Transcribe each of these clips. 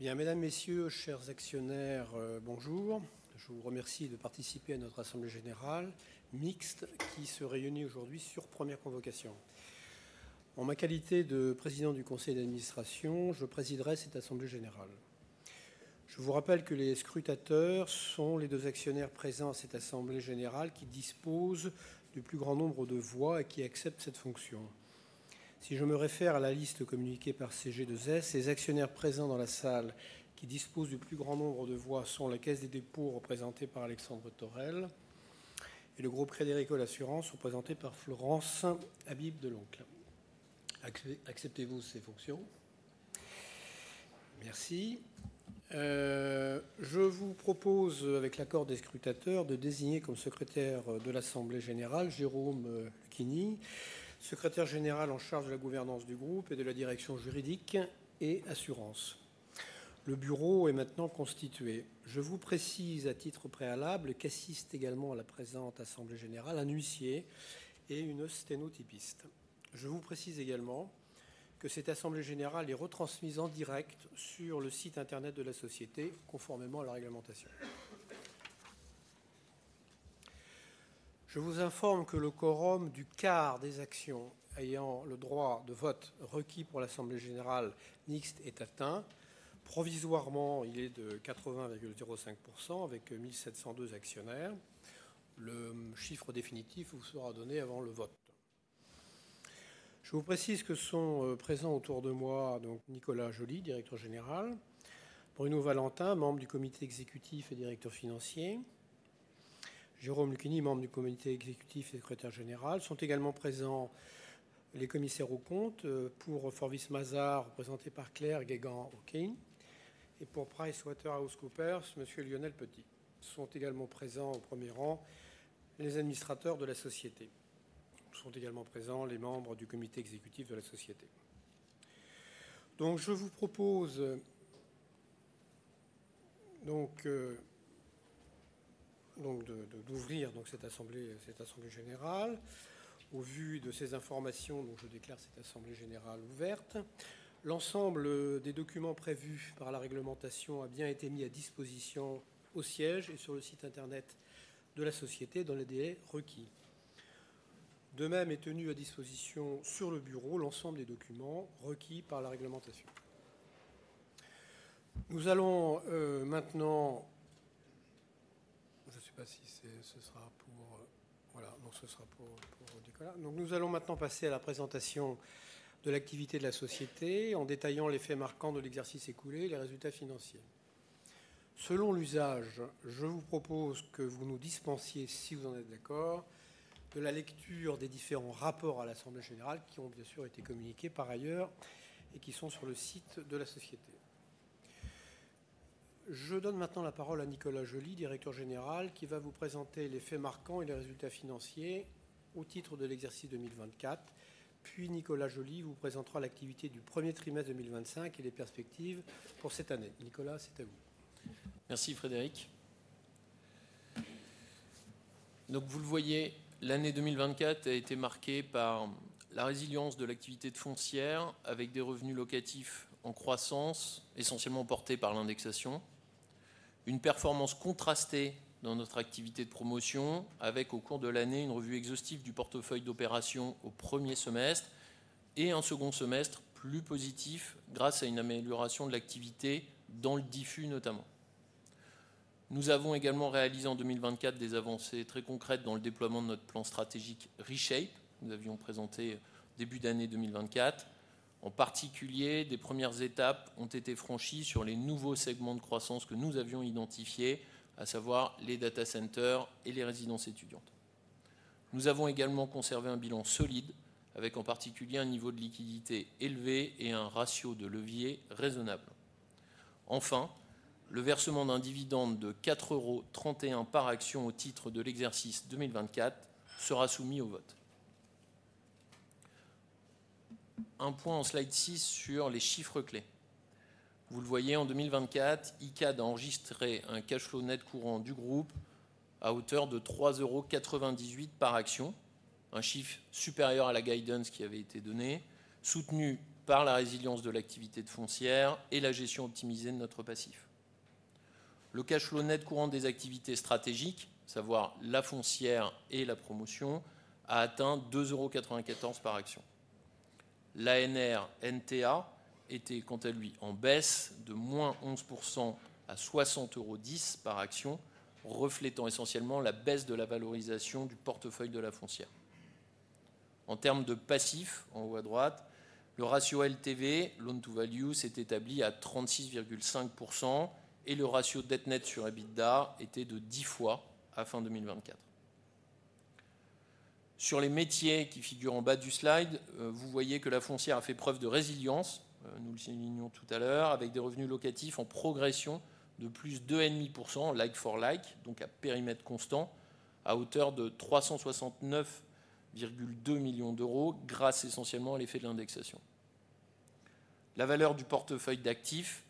Bien, Mesdames et Messieurs, chers actionnaires, bonjour. Je vous remercie de participer à notre assemblée générale mixte qui se réunit aujourd'hui sur première convocation. En ma qualité de Président du Conseil d'Administration, je présiderai cette assemblée générale. Je vous rappelle que les scrutateurs sont les deux actionnaires présents à cette assemblée générale qui disposent du plus grand nombre de voix et qui acceptent cette fonction. Si je me réfère à la liste communiquée par CG2S, les actionnaires présents dans la salle qui disposent du plus grand nombre de voix sont la Caisse des Dépôts représentée par Alexandre Torel et le Groupe Frédéric Holle Assurances représenté par Florence Habib de Lonqvist. Acceptez-vous ces fonctions? Merci. Je vous propose, avec l'accord des scrutateurs, de désigner comme Secrétaire de l'Assemblée Générale Jérôme Lucchini, Secrétaire Général en charge de la gouvernance du groupe et de la Direction Juridique et Assurances. Le bureau est maintenant constitué. Je vous précise à titre préalable qu'assistent également à la présente assemblée générale un huissier et une sténotypiste. Je vous précise également que cette assemblée générale est retransmise en direct sur le site internet de la société, conformément à la réglementation. Je vous informe que le quorum du quart des actions ayant le droit de vote requis pour l'assemblée générale mixte est atteint. Provisoirement, il est de 80,05% avec 1 702 actionnaires. Le chiffre définitif vous sera donné avant le vote. Je vous précise que sont présents autour de moi: Nicolas Joly, Directeur Général; Bruno Valentin, membre du comité exécutif et Directeur Financier ; Jérôme Lucchini, membre du comité exécutif et Secrétaire Général. Sont également présents les commissaires aux comptes pour Forbis Mazard, représenté par Claire Guéguant-Hocquet; et pour PricewaterhouseCoopers, Monsieur Lionel Petit. Sont également présents au premier rang les administrateurs de la société. Sont également présents les membres du comité exécutif de la société. Je vous propose d'ouvrir cette assemblée générale. Au vu de ces informations, je déclare cette assemblée générale ouverte. L'ensemble des documents prévus par la réglementation a bien été mis à disposition au siège et sur le site internet de la société dans les délais requis. De même est tenu à disposition sur le bureau l'ensemble des documents requis par la réglementation. Nous allons maintenant passer à la présentation de l'activité de la société en détaillant les faits marquants de l'exercice écoulé et les résultats financiers. Selon l'usage, je vous propose que vous nous dispensiez, si vous en êtes d'accord, de la lecture des différents rapports à l'assemblée générale qui ont, bien sûr, été communiqués par ailleurs et qui sont sur le site de la société. Je donne maintenant la parole à Nicolas Joly, Directeur Général, qui va vous présenter les faits marquants et les résultats financiers au titre de l'exercice 2024, puis Nicolas Joly vous présentera l'activité du premier trimestre 2025 et les perspectives pour cette année. Nicolas, c'est à vous. Merci, Frédéric. Donc, vous le voyez, l'année 2024 a été marquée par la résilience de l'activité de foncière avec des revenus locatifs en croissance, essentiellement portés par l'indexation. Une performance contrastée dans notre activité de promotion, avec, au cours de l'année, une revue exhaustive du portefeuille d'opérations au premier semestre et un second semestre plus positif grâce à une amélioration de l'activité dans le diffus, notamment. Nous avons également réalisé en 2024 des avancées très concrètes dans le déploiement de notre plan stratégique Reshape que nous avions présenté début d'année 2024. En particulier, des premières étapes ont été franchies sur les nouveaux segments de croissance que nous avions identifiés, à savoir les data centers et les résidences étudiantes. Nous avons également conservé un bilan solide, avec en particulier un niveau de liquidité élevé et un ratio de levier raisonnable. Enfin, le versement d'un dividende de 4,31 € par action au titre de l'exercice 2024 sera soumis au vote. Un point en slide 6 sur les chiffres clés. Vous le voyez, en 2024, Icade a enregistré un cash flow net courant du groupe à hauteur de 3,98 € par action, un chiffre supérieur à la guidance qui avait été donnée, soutenu par la résilience de l'activité de foncière et la gestion optimisée de notre passif. Le cash flow net courant des activités stratégiques, à savoir la foncière et la promotion, a atteint 2,94 € par action. L'ANR NTA était quant à lui en baisse de -11% à 60,10 € par action, reflétant essentiellement la baisse de la valorisation du portefeuille de la foncière. En termes de passif, en haut à droite, le ratio LTV, Loan to Value, s'est établi à 36,5% et le ratio dette nette sur EBITDA était de 10 fois à fin 2024. Sur les métiers qui figurent en bas du slide, vous voyez que la foncière a fait preuve de résilience, nous le signalions tout à l'heure, avec des revenus locatifs en progression de plus de 2,5% like for like, donc à périmètre constant, à hauteur de €369,2 millions grâce essentiellement à l'effet de l'indexation. La valeur du portefeuille d'actifs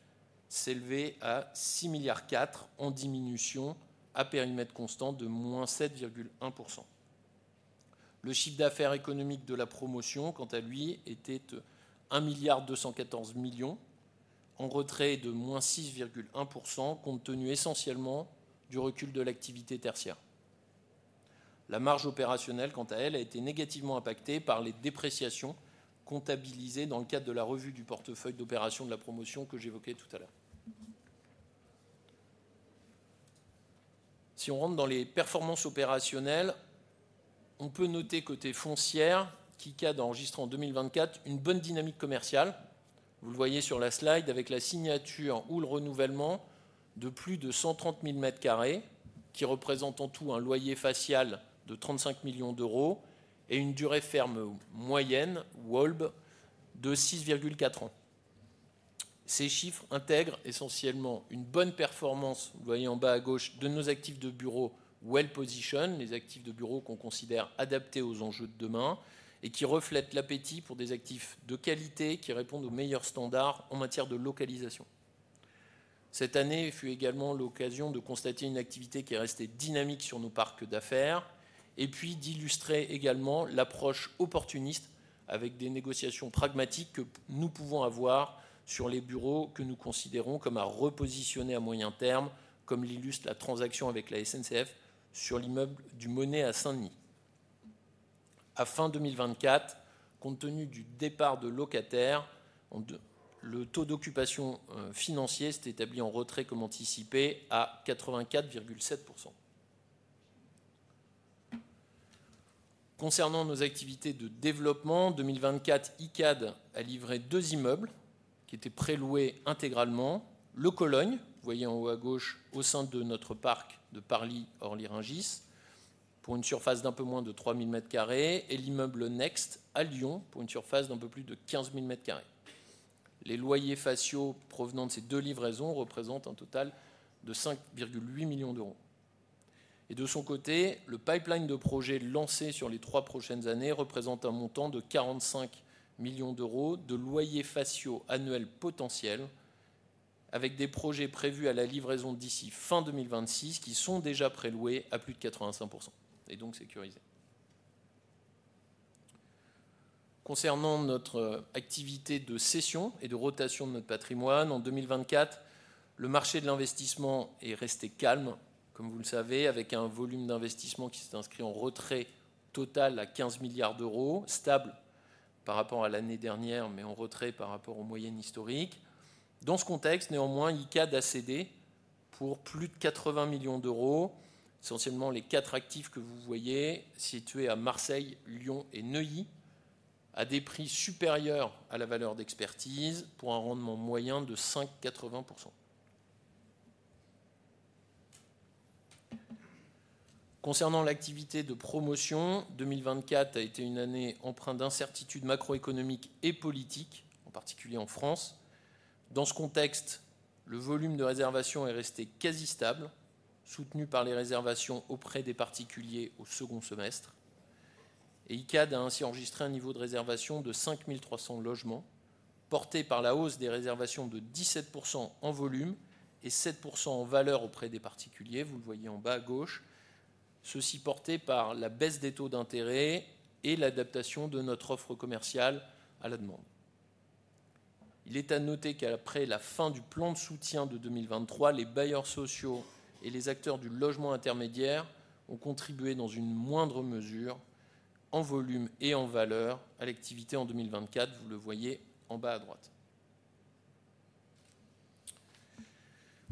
s'élevait à €6,4 milliards, en diminution à périmètre constant de -7,1%. Le chiffre d'affaires économique de la promotion, quant à lui, était €1,214 milliard, en retrait de -6,1%, compte tenu essentiellement du recul de l'activité tertiaire. La marge opérationnelle, quant à elle, a été négativement impactée par les dépréciations comptabilisées dans le cadre de la revue du portefeuille d'opérations de la promotion que j'évoquais tout à l'heure. Si on rentre dans les performances opérationnelles, on peut noter, côté foncière, qu'Icade a enregistré en 2024 une bonne dynamique commerciale. Vous le voyez sur la slide avec la signature ou le renouvellement de plus de 130 000 mètres carrés, qui représentent en tout un loyer facial de 35 millions d'euros et une durée ferme moyenne, WALB, de 6,4 ans. Ces chiffres intègrent essentiellement une bonne performance, vous le voyez en bas à gauche, de nos actifs de bureau Well Position, les actifs de bureau qu'on considère adaptés aux enjeux de demain et qui reflètent l'appétit pour des actifs de qualité qui répondent aux meilleurs standards en matière de localisation. Cette année fut également l'occasion de constater une activité qui est restée dynamique sur nos parcs d'affaires, et puis d'illustrer également l'approche opportuniste avec des négociations pragmatiques que nous pouvons avoir sur les bureaux que nous considérons comme à repositionner à moyen terme, comme l'illustre la transaction avec la SNCF sur l'immeuble du Monnet à Saint-Denis. À fin 2024, compte tenu du départ de locataires, le taux d'occupation financier s'est établi en retrait, comme anticipé, à 84,7%. Concernant nos activités de développement, 2024, Icade a livré deux immeubles qui étaient préloués intégralement: le Cologne, vous voyez en haut à gauche, au sein de notre parc de Parly-Orly-Rungis, pour une surface d'un peu moins de 3 000 mètres carrés, et l'immeuble Next à Lyon, pour une surface d'un peu plus de 15 000 mètres carrés. Les loyers faciaux provenant de ces deux livraisons représentent un total de 5,8 millions d'euros. De son côté, le pipeline de projets lancés sur les trois prochaines années représente un montant de 45 millions d'euros de loyers faciaux annuels potentiels, avec des projets prévus à la livraison d'ici fin 2026, qui sont déjà préloués à plus de 85% et donc sécurisés. Concernant notre activité de cession et de rotation de notre patrimoine, en 2024, le marché de l'investissement est resté calme, comme vous le savez, avec un volume d'investissement qui s'est inscrit en retrait total à 15 milliards d'euros, stable par rapport à l'année dernière, mais en retrait par rapport aux moyennes historiques. Dans ce contexte, néanmoins, Icade a cédé pour plus de 80 millions d'euros, essentiellement les quatre actifs que vous voyez, situés à Marseille, Lyon et Neuilly, à des prix supérieurs à la valeur d'expertise, pour un rendement moyen de 5,80%. Concernant l'activité de promotion, 2024 a été une année empreinte d'incertitudes macroéconomiques et politiques, en particulier en France. Dans ce contexte, le volume de réservations est resté quasi stable, soutenu par les réservations auprès des particuliers au second semestre. Icade a ainsi enregistré un niveau de réservation de 5 300 logements, porté par la hausse des réservations de 17% en volume et 7% en valeur auprès des particuliers, vous le voyez en bas à gauche, ceci porté par la baisse des taux d'intérêt et l'adaptation de notre offre commerciale à la demande. Il est à noter qu'après la fin du plan de soutien de 2023, les bailleurs sociaux et les acteurs du logement intermédiaire ont contribué dans une moindre mesure, en volume et en valeur, à l'activité en 2024, vous le voyez en bas à droite.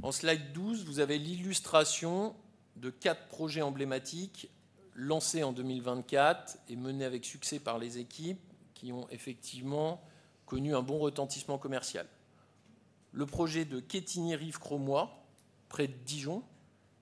En slide 12, vous avez l'illustration de quatre projets emblématiques lancés en 2024 et menés avec succès par les équipes qui ont effectivement connu un bon retentissement commercial. Le projet de Quétigny-Rive-Cromoy, près de Dijon,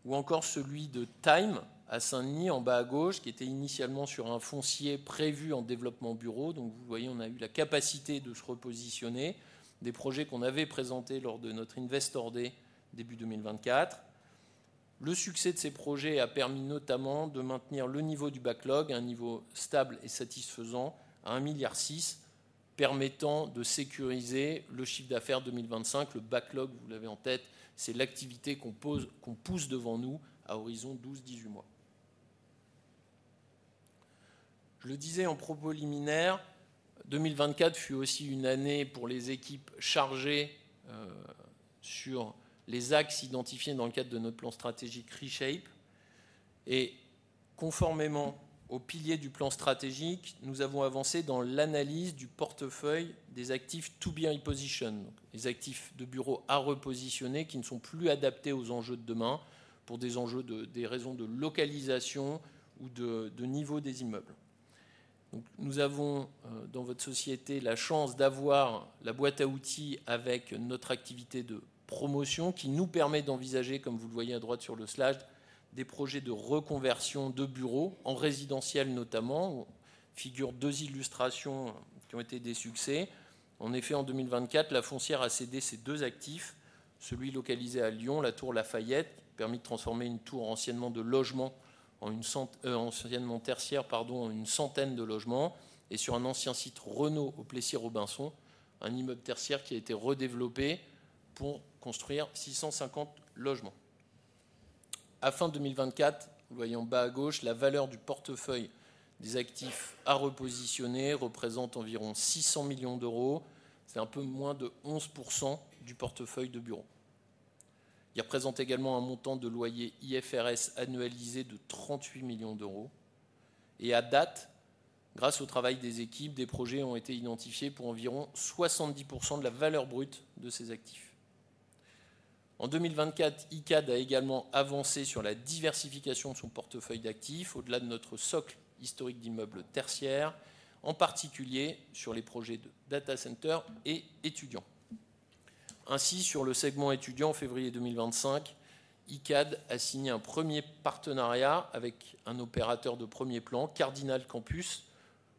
ou encore celui de Time à Saint-Denis, en bas à gauche, qui était initialement sur un foncier prévu en développement bureau. Donc, vous le voyez, on a eu la capacité de se repositionner, des projets qu'on avait présentés lors de notre Investor Day début 2024. Le succès de ces projets a permis notamment de maintenir le niveau du backlog, un niveau stable et satisfaisant à 1,6 milliard €, permettant de sécuriser le chiffre d'affaires 2025. Le backlog, vous l'avez en tête, c'est l'activité qu'on pousse devant nous à horizon 12-18 mois. Je le disais en propos liminaire, 2024 fut aussi une année pour les équipes chargées sur les axes identifiés dans le cadre de notre plan stratégique Reshape. Conformément aux piliers du plan stratégique, nous avons avancé dans l'analyse du portefeuille des actifs to be repositioned, donc les actifs de bureau à repositionner qui ne sont plus adaptés aux enjeux de demain pour des raisons de localisation ou de niveau des immeubles. Donc, nous avons dans votre société la chance d'avoir la boîte à outils avec notre activité de promotion qui nous permet d'envisager, comme vous le voyez à droite sur le slide, des projets de reconversion de bureaux en résidentiel notamment. On figure deux illustrations qui ont été des succès. En effet, en 2024, la foncière a cédé ses deux actifs, celui localisé à Lyon, la tour Lafayette, qui a permis de transformer une tour anciennement de bureaux en tertiaire, pardon, en une centaine de logements, et sur un ancien site Renault au Plessis-Robinson, un immeuble tertiaire qui a été redéveloppé pour construire 650 logements. À fin 2024, vous le voyez en bas à gauche, la valeur du portefeuille des actifs à repositionner représente environ €600 millions, c'est un peu moins de 11% du portefeuille de bureaux. Il représente également un montant de loyer IFRS annualisé de €38 millions. À date, grâce au travail des équipes, des projets ont été identifiés pour environ 70% de la valeur brute de ces actifs. En 2024, Icade a également avancé sur la diversification de son portefeuille d'actifs, au-delà de notre socle historique d'immeubles tertiaires, en particulier sur les projets de data centers et étudiants. Ainsi, sur le segment étudiant, en février 2025, Icade a signé un premier partenariat avec un opérateur de premier plan, Cardinal Campus,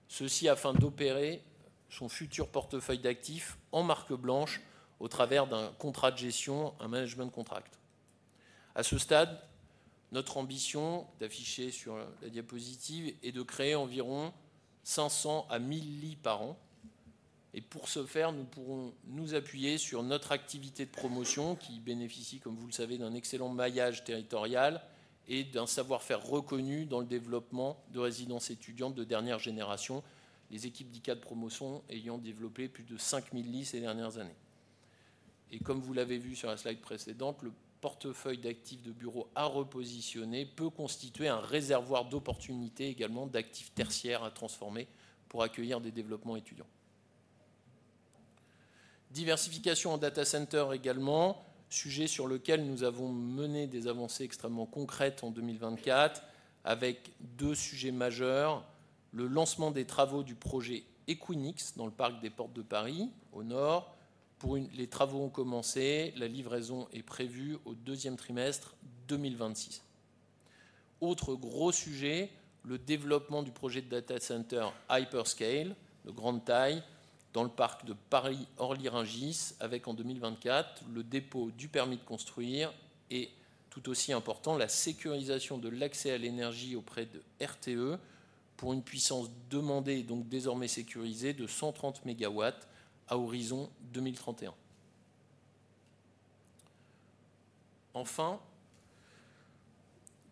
ceci afin d'opérer son futur portefeuille d'actifs en marque blanche au travers d'un contrat de gestion, un management contract. À ce stade, notre ambition, d'afficher sur la diapositive, est de créer environ 500 à 1 000 lits par an. Et pour ce faire, nous pourrons nous appuyer sur notre activité de promotion qui bénéficie, comme vous le savez, d'un excellent maillage territorial et d'un savoir-faire reconnu dans le développement de résidences étudiantes de dernière génération, les équipes d'Icade Promotion ayant développé plus de 5 000 lits ces dernières années. Et comme vous l'avez vu sur la slide précédente, le portefeuille d'actifs de bureaux à repositionner peut constituer un réservoir d'opportunités également d'actifs tertiaires à transformer pour accueillir des développements étudiants. Diversification en data centers également, sujet sur lequel nous avons mené des avancées extrêmement concrètes en 2024, avec deux sujets majeurs: le lancement des travaux du projet Equinix dans le parc des Portes de Paris, au nord. Les travaux ont commencé, la livraison est prévue au deuxième trimestre 2026. Autre gros sujet, le développement du projet de data centers Hyperscale, de grande taille, dans le parc de Parly-Orly-Rungis, avec en 2024 le dépôt du permis de construire et, tout aussi important, la sécurisation de l'accès à l'énergie auprès de RTE pour une puissance demandée, donc désormais sécurisée, de 130 mégawatts à horizon 2031. Enfin,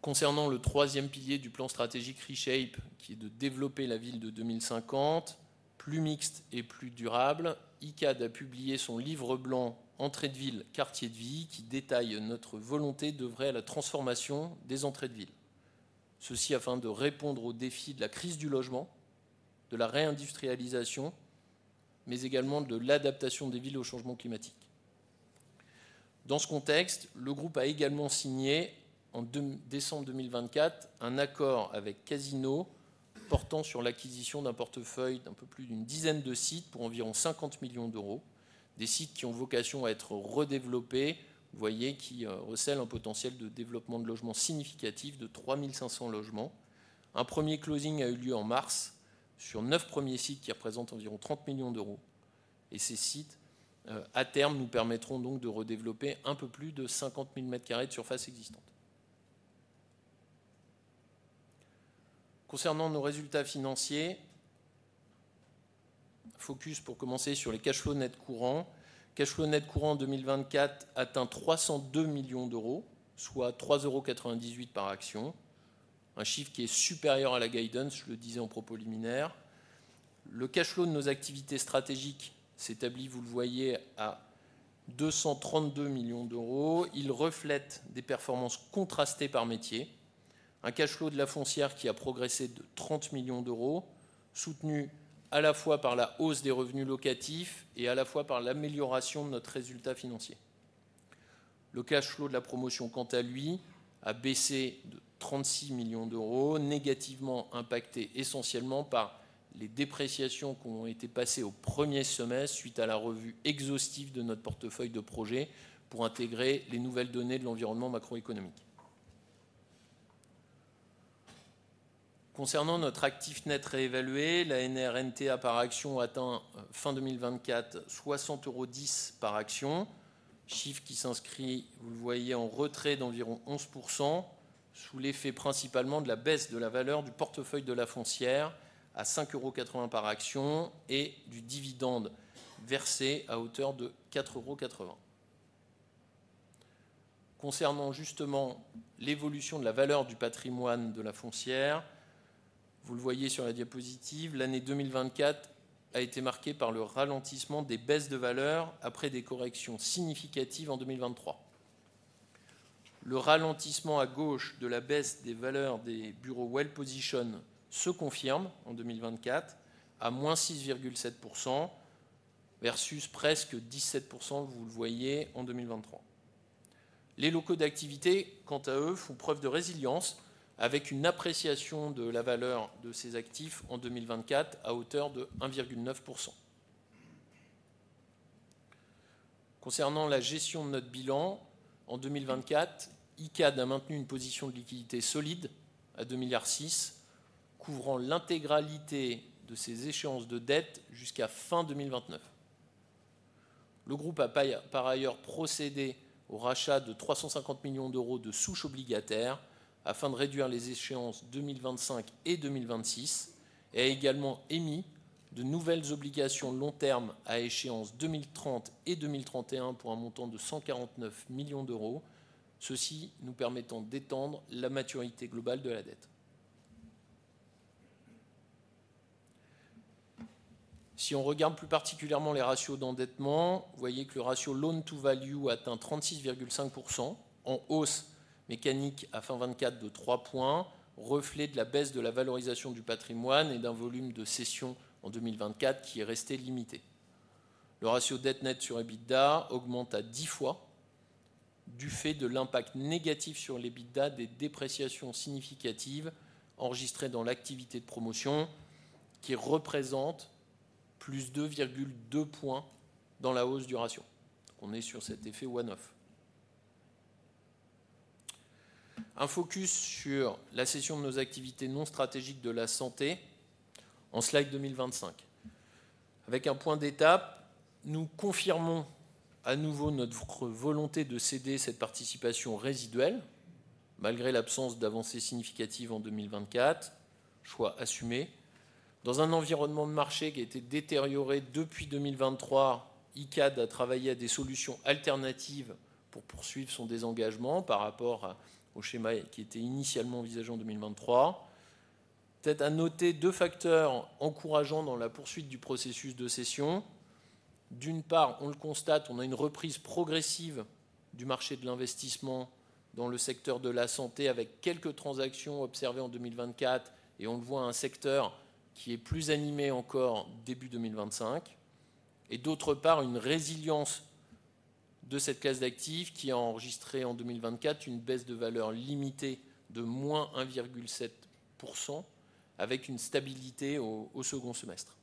concernant le troisième pilier du plan stratégique Reshape, qui est de développer la ville de 2050, plus mixte et plus durable, Icade a publié son livre blanc « Entrées de ville, quartiers de vie », qui détaille notre volonté d'œuvrer à la transformation des entrées de ville. Ceci afin de répondre aux défis de la crise du logement, de la réindustrialisation, mais également de l'adaptation des villes au changement climatique. Dans ce contexte, le groupe a également signé en décembre 2024 un accord avec Casino portant sur l'acquisition d'un portefeuille d'un peu plus d'une dizaine de sites pour environ 50 millions d'euros, des sites qui ont vocation à être redéveloppés, vous voyez, qui recèlent un potentiel de développement de logements significatif de 3 500 logements. Un premier closing a eu lieu en mars sur neuf premiers sites qui représentent environ 30 millions d'euros. Ces sites, à terme, nous permettront donc de redévelopper un peu plus de 50 000 mètres carrés de surface existante. Concernant nos résultats financiers, focus pour commencer sur les cash flows nets courants. Cash flows nets courants en 2024 atteignent 302 millions d'euros, soit 3,98 € par action, un chiffre qui est supérieur à la guidance, je le disais en propos liminaire. Le cash flow de nos activités stratégiques s'établit, vous le voyez, à 232 millions d'euros. Il reflète des performances contrastées par métier. Un cash flow de la foncière qui a progressé de 30 millions d'euros, soutenu à la fois par la hausse des revenus locatifs et à la fois par l'amélioration de notre résultat financier. Le cash flow de la promotion, quant à lui, a baissé de 36 millions d'euros, négativement impacté essentiellement par les dépréciations qui ont été passées au premier semestre suite à la revue exhaustive de notre portefeuille de projets pour intégrer les nouvelles données de l'environnement macroéconomique. Concernant notre actif net réévalué, la NRNTA par action atteint fin 2024 60,10 € par action, chiffre qui s'inscrit, vous le voyez, en retrait d'environ 11%, sous l'effet principalement de la baisse de la valeur du portefeuille de la foncière à 5,80 € par action et du dividende versé à hauteur de 4,80 €. Concernant justement l'évolution de la valeur du patrimoine de la foncière, vous le voyez sur la diapositive, l'année 2024 a été marquée par le ralentissement des baisses de valeur après des corrections significatives en 2023. Le ralentissement à gauche de la baisse des valeurs des bureaux well-positioned se confirme en 2024 à -6,7% versus presque 17%, vous le voyez, en 2023. Les locaux d'activité, quant à eux, font preuve de résilience avec une appréciation de la valeur de ces actifs en 2024 à hauteur de 1,9%. Concernant la gestion de notre bilan, en 2024, Icade a maintenu une position de liquidité solide à 2,6 milliards, couvrant l'intégralité de ses échéances de dette jusqu'à fin 2029. Le groupe a par ailleurs procédé au rachat de 350 millions d'euros de souches obligataires afin de réduire les échéances 2025 et 2026, et a également émis de nouvelles obligations long terme à échéance 2030 et 2031 pour un montant de 149 millions d'euros, ceci nous permettant d'étendre la maturité globale de la dette. Si on regarde plus particulièrement les ratios d'endettement, vous voyez que le ratio Loan to Value atteint 36,5%, en hausse mécanique à fin 2024 de 3 points, reflet de la baisse de la valorisation du patrimoine et d'un volume de cession en 2024 qui est resté limité. Le ratio dette nette sur EBITDA augmente à 10 fois du fait de l'impact négatif sur l'EBITDA des dépréciations significatives enregistrées dans l'activité de promotion, qui représente plus de 2,2 points dans la hausse du ratio. On est sur cet effet one-off. Un focus sur la cession de nos activités non stratégiques de la santé en 2025. Avec un point d'étape, nous confirmons à nouveau notre volonté de céder cette participation résiduelle, malgré l'absence d'avancées significatives en 2024, choix assumé. Dans un environnement de marché qui a été détérioré depuis 2023, Icade a travaillé à des solutions alternatives pour poursuivre son désengagement par rapport au schéma qui était initialement envisagé en 2023. Peut-être à noter deux facteurs encourageants dans la poursuite du processus de cession. D'une part, on le constate, on a une reprise progressive du marché de l'investissement dans le secteur de la santé avec quelques transactions observées en 2024, et on le voit, un secteur qui est plus animé encore début 2025. D'autre part, une résilience de cette classe d'actifs qui a enregistré en 2024 une baisse de valeur limitée de -1,7%, avec une stabilité au second semestre.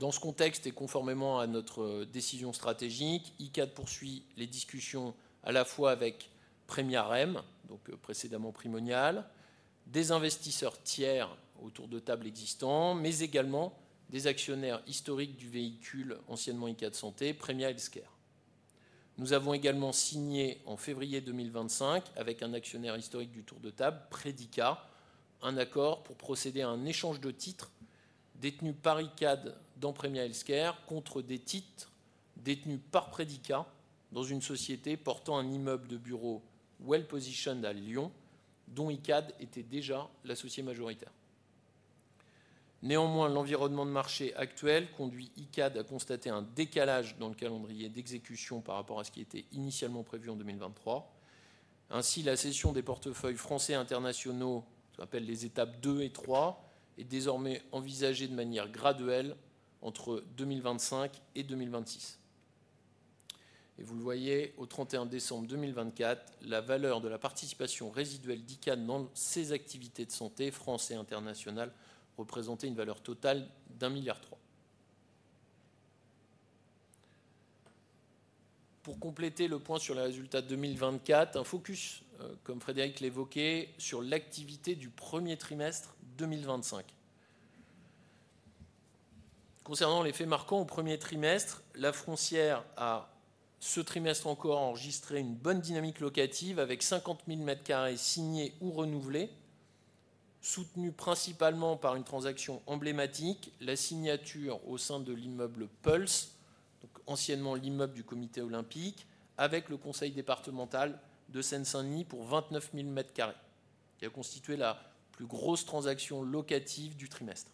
Dans ce contexte et conformément à notre décision stratégique, Icade poursuit les discussions à la fois avec Premia REM, donc précédemment Primonial, des investisseurs tiers autour de tables existants, mais également des actionnaires historiques du véhicule anciennement Icade Santé, Premia Healthcare. Nous avons également signé en février 2025 avec un actionnaire historique du tour de table, Predica, un accord pour procéder à un échange de titres détenus par Icade dans Premia Healthcare contre des titres détenus par Predica dans une société portant un immeuble de bureaux bien positionné à Lyon, dont Icade était déjà l'associé majoritaire. Néanmoins, l'environnement de marché actuel conduit Icade à constater un décalage dans le calendrier d'exécution par rapport à ce qui était initialement prévu en 2023. Ainsi, la cession des portefeuilles français et internationaux, ce qu'on appelle les étapes 2 et 3, est désormais envisagée de manière graduelle entre 2025 et 2026. Et vous le voyez, au 31 décembre 2024, la valeur de la participation résiduelle d'Icade dans ses activités de santé françaises et internationales représentait une valeur totale d'1,3 milliard €. Pour compléter le point sur les résultats 2024, un focus, comme Frédéric l'évoquait, sur l'activité du premier trimestre 2025. Concernant l'effet marquant au premier trimestre, la foncière a, ce trimestre encore, enregistré une bonne dynamique locative avec 50 000 mètres carrés signés ou renouvelés, soutenus principalement par une transaction emblématique, la signature au sein de l'immeuble Pulse, donc anciennement l'immeuble du Comité Olympique, avec le conseil départemental de Seine-Saint-Denis pour 29 000 mètres carrés, qui a constitué la plus grosse transaction locative du trimestre.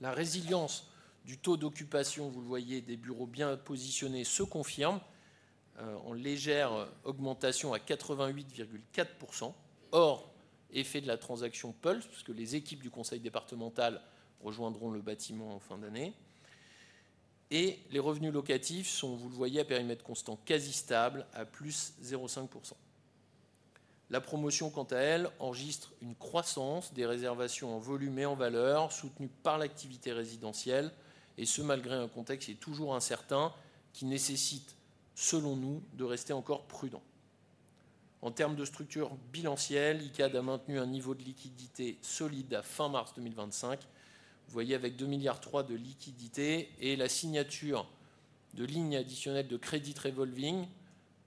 La résilience du taux d'occupation, vous le voyez, des bureaux bien positionnés se confirme en légère augmentation à 88,4%, hors effet de la transaction Pulse, puisque les équipes du conseil départemental rejoindront le bâtiment en fin d'année. Les revenus locatifs sont, vous le voyez, à périmètre constant, quasi stables à +0,5%. La promotion, quant à elle, enregistre une croissance des réservations en volume et en valeur, soutenue par l'activité résidentielle, et ce malgré un contexte qui est toujours incertain, qui nécessite, selon nous, de rester encore prudent. En termes de structure bilancielle, Icade a maintenu un niveau de liquidité solide à fin mars 2025. Vous voyez, avec €2,3 milliards de liquidité et la signature de lignes additionnelles de crédit revolving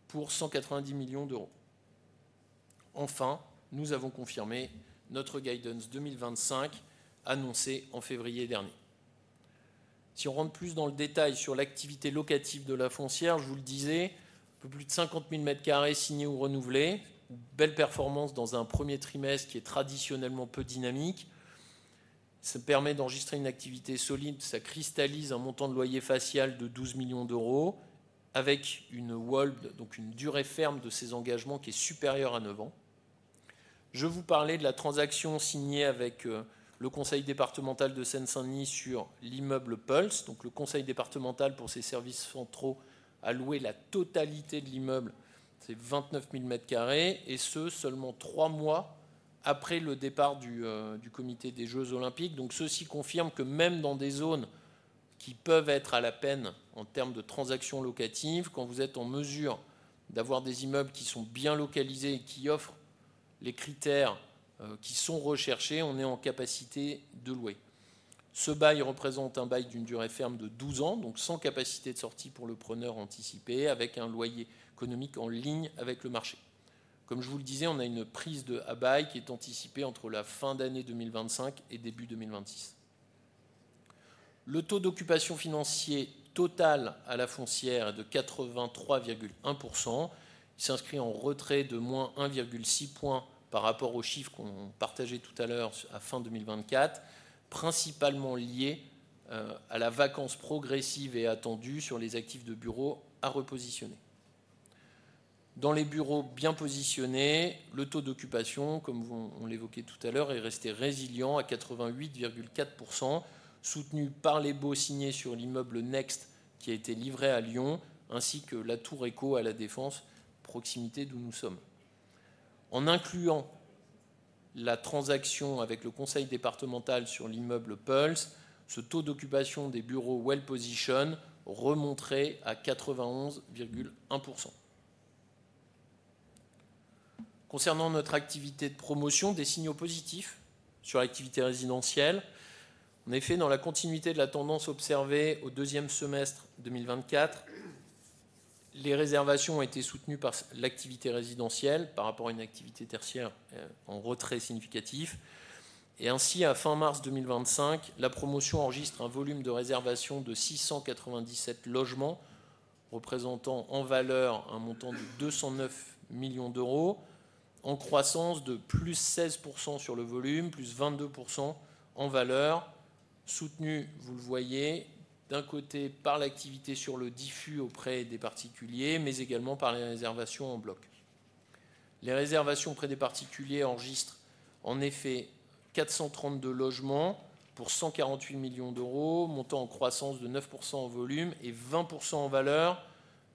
pour €190 millions. Enfin, nous avons confirmé notre guidance 2025 annoncée en février dernier. Si on rentre plus dans le détail sur l'activité locative de la foncière, je vous le disais, un peu plus de 50 000 mètres carrés signés ou renouvelés, une belle performance dans un premier trimestre qui est traditionnellement peu dynamique. Ça permet d'enregistrer une activité solide, ça cristallise un montant de loyer facial de €12 millions, avec une hold, donc une durée ferme de ces engagements qui est supérieure à 9 ans. Je vous parlais de la transaction signée avec le Conseil départemental de Seine-Saint-Denis sur l'immeuble Pulse. Donc, le Conseil départemental pour ses services centraux a loué la totalité de l'immeuble, c'est 29 000 mètres carrés, et ce seulement trois mois après le départ du Comité des Jeux Olympiques. Donc, ceci confirme que même dans des zones qui peuvent être à la peine en termes de transactions locatives, quand vous êtes en mesure d'avoir des immeubles qui sont bien localisés et qui offrent les critères qui sont recherchés, on est en capacité de louer. Ce bail représente un bail d'une durée ferme de 12 ans, donc sans capacité de sortie pour le preneur anticipée, avec un loyer économique en ligne avec le marché. Comme je vous le disais, on a une prise de bail qui est anticipée entre la fin d'année 2025 et début 2026. Le taux d'occupation financier total à la foncière est de 83,1%, il s'inscrit en retrait de -1,6 point par rapport aux chiffres qu'on partageait tout à l'heure à fin 2024, principalement lié à la vacance progressive et attendue sur les actifs de bureaux à repositionner. Dans les bureaux bien positionnés, le taux d'occupation, comme on l'évoquait tout à l'heure, est resté résilient à 88,4%, soutenu par les baux signés sur l'immeuble Next qui a été livré à Lyon, ainsi que la Tour Écho à La Défense, à proximité d'où nous sommes. En incluant la transaction avec le conseil départemental sur l'immeuble Pulse, ce taux d'occupation des bureaux well-positioned remonterait à 91,1%. Concernant notre activité de promotion, des signaux positifs sur l'activité résidentielle. En effet, dans la continuité de la tendance observée au deuxième semestre 2024, les réservations ont été soutenues par l'activité résidentielle par rapport à une activité tertiaire en retrait significatif. Ainsi, à fin mars 2025, la promotion enregistre un volume de réservation de 697 logements, représentant en valeur un montant de €209 millions, en croissance de +16% sur le volume, +22% en valeur, soutenue, vous le voyez, d'un côté par l'activité sur le diffus auprès des particuliers, mais également par les réservations en bloc. Les réservations auprès des particuliers enregistrent en effet 432 logements pour €148 millions, montant en croissance de 9% en volume et 20% en valeur.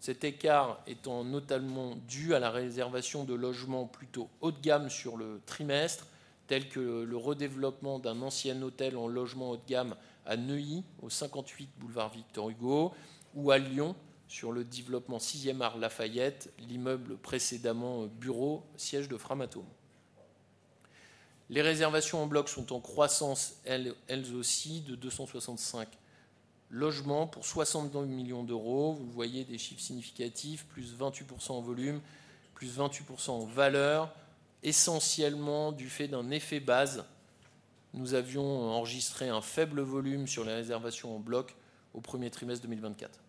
Cet écart étant notamment dû à la réservation de logements plutôt haut de gamme sur le trimestre, tel que le redéveloppement d'un ancien hôtel en logement haut de gamme à Neuilly, au 58 boulevard Victor Hugo, ou à Lyon sur le développement 6e art Lafayette, l'immeuble précédemment bureau, siège de Framatome. Les réservations en bloc sont en croissance elles aussi de 265 logements pour €62 millions. Vous le voyez, des chiffres significatifs, +28% en volume, +28% en valeur, essentiellement du fait d'un effet base. Nous avions enregistré un faible volume sur les réservations en bloc au premier trimestre 2024.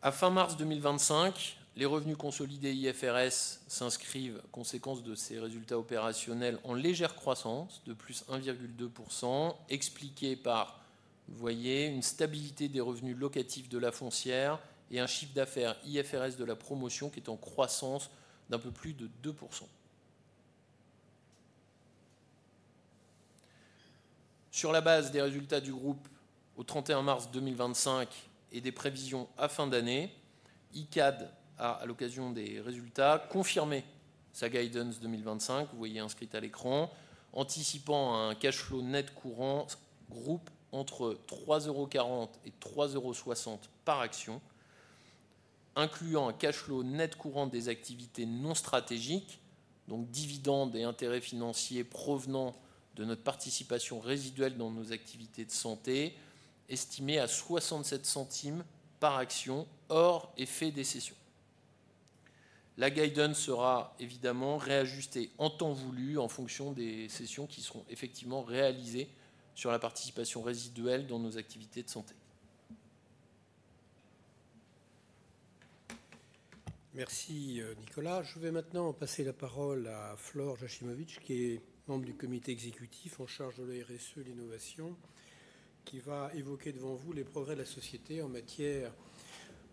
À fin mars 2025, les revenus consolidés IFRS s'inscrivent, conséquence de ces résultats opérationnels, en légère croissance de +1,2%, expliquée par, vous le voyez, une stabilité des revenus locatifs de la foncière et un chiffre d'affaires IFRS de la promotion qui est en croissance d'un peu plus de 2%. Sur la base des résultats du groupe au 31 mars 2025 et des prévisions à fin d'année, Icade a, à l'occasion des résultats, confirmé sa guidance 2025, vous voyez inscrite à l'écran, anticipant un cash flow net courant groupe entre 3,40€ et 3,60€ par action, incluant un cash flow net courant des activités non stratégiques, donc dividendes et intérêts financiers provenant de notre participation résiduelle dans nos activités de santé, estimé à 0,67€ par action hors effet des cessions. La guidance sera évidemment réajustée en temps voulu en fonction des cessions qui seront effectivement réalisées sur la participation résiduelle dans nos activités de santé. Merci, Nicolas. Je vais maintenant passer la parole à Flore Jachimowicz, qui est membre du comité exécutif en charge de la RSE et de l'innovation, qui va évoquer devant vous les progrès de la société en matière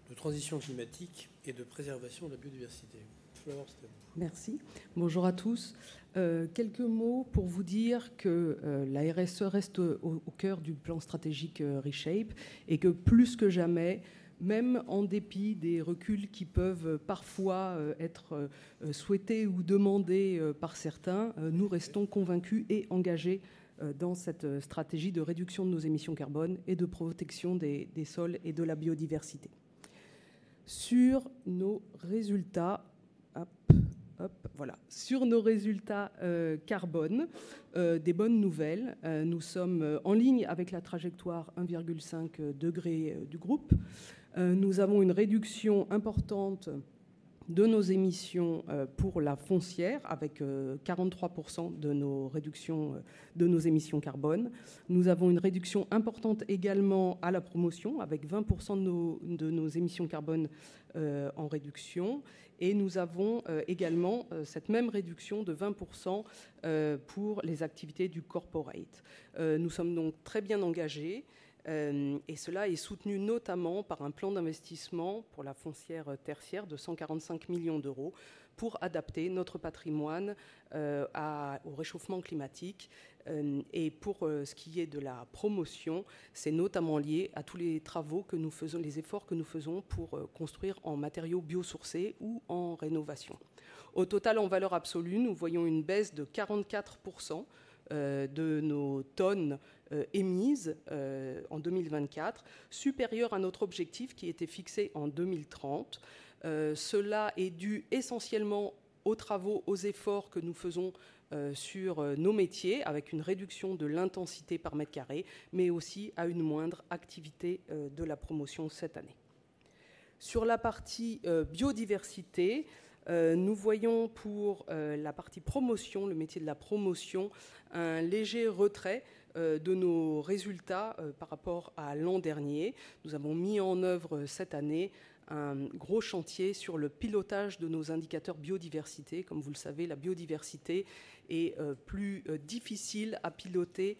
de transition climatique et de préservation de la biodiversité. Flore, c'est à vous. Merci. Bonjour à tous. Quelques mots pour vous dire que la RSE reste au cœur du plan stratégique Reshape et que, plus que jamais, même en dépit des reculs qui peuvent parfois être souhaités ou demandés par certains, nous restons convaincus et engagés dans cette stratégie de réduction de nos émissions carbones et de protection des sols et de la biodiversité. Sur nos résultats carbone, des bonnes nouvelles. Nous sommes en ligne avec la trajectoire 1,5 degré du groupe. Nous avons une réduction importante de nos émissions pour la foncière, avec 43% de nos réductions de nos émissions carbone. Nous avons une réduction importante également à la promotion, avec 20% de nos émissions carbone en réduction, et nous avons également cette même réduction de 20% pour les activités du corporate. Nous sommes donc très bien engagés, et cela est soutenu notamment par un plan d'investissement pour la foncière tertiaire de 145 millions d'euros pour adapter notre patrimoine au réchauffement climatique. Et pour ce qui est de la promotion, c'est notamment lié à tous les travaux que nous faisons, les efforts que nous faisons pour construire en matériaux biosourcés ou en rénovation. Au total, en valeur absolue, nous voyons une baisse de 44% de nos tonnes émises en 2024, supérieure à notre objectif qui était fixé en 2030. Cela est dû essentiellement aux travaux, aux efforts que nous faisons sur nos métiers, avec une réduction de l'intensité par mètre carré, mais aussi à une moindre activité de la promotion cette année. Sur la partie biodiversité, nous voyons, pour la partie promotion, le métier de la promotion, un léger retrait de nos résultats par rapport à l'an dernier. Nous avons mis en œuvre cette année un gros chantier sur le pilotage de nos indicateurs biodiversité. Comme vous le savez, la biodiversité est plus difficile à piloter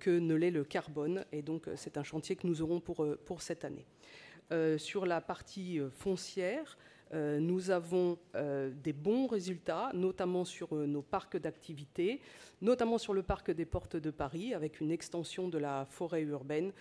que ne l'est le carbone, et donc c'est un chantier que nous aurons pour cette année. Sur la partie foncière, nous avons des bons résultats, notamment sur nos parcs d'activités, notamment sur le parc des Portes de Paris, avec une extension de la forêt urbaine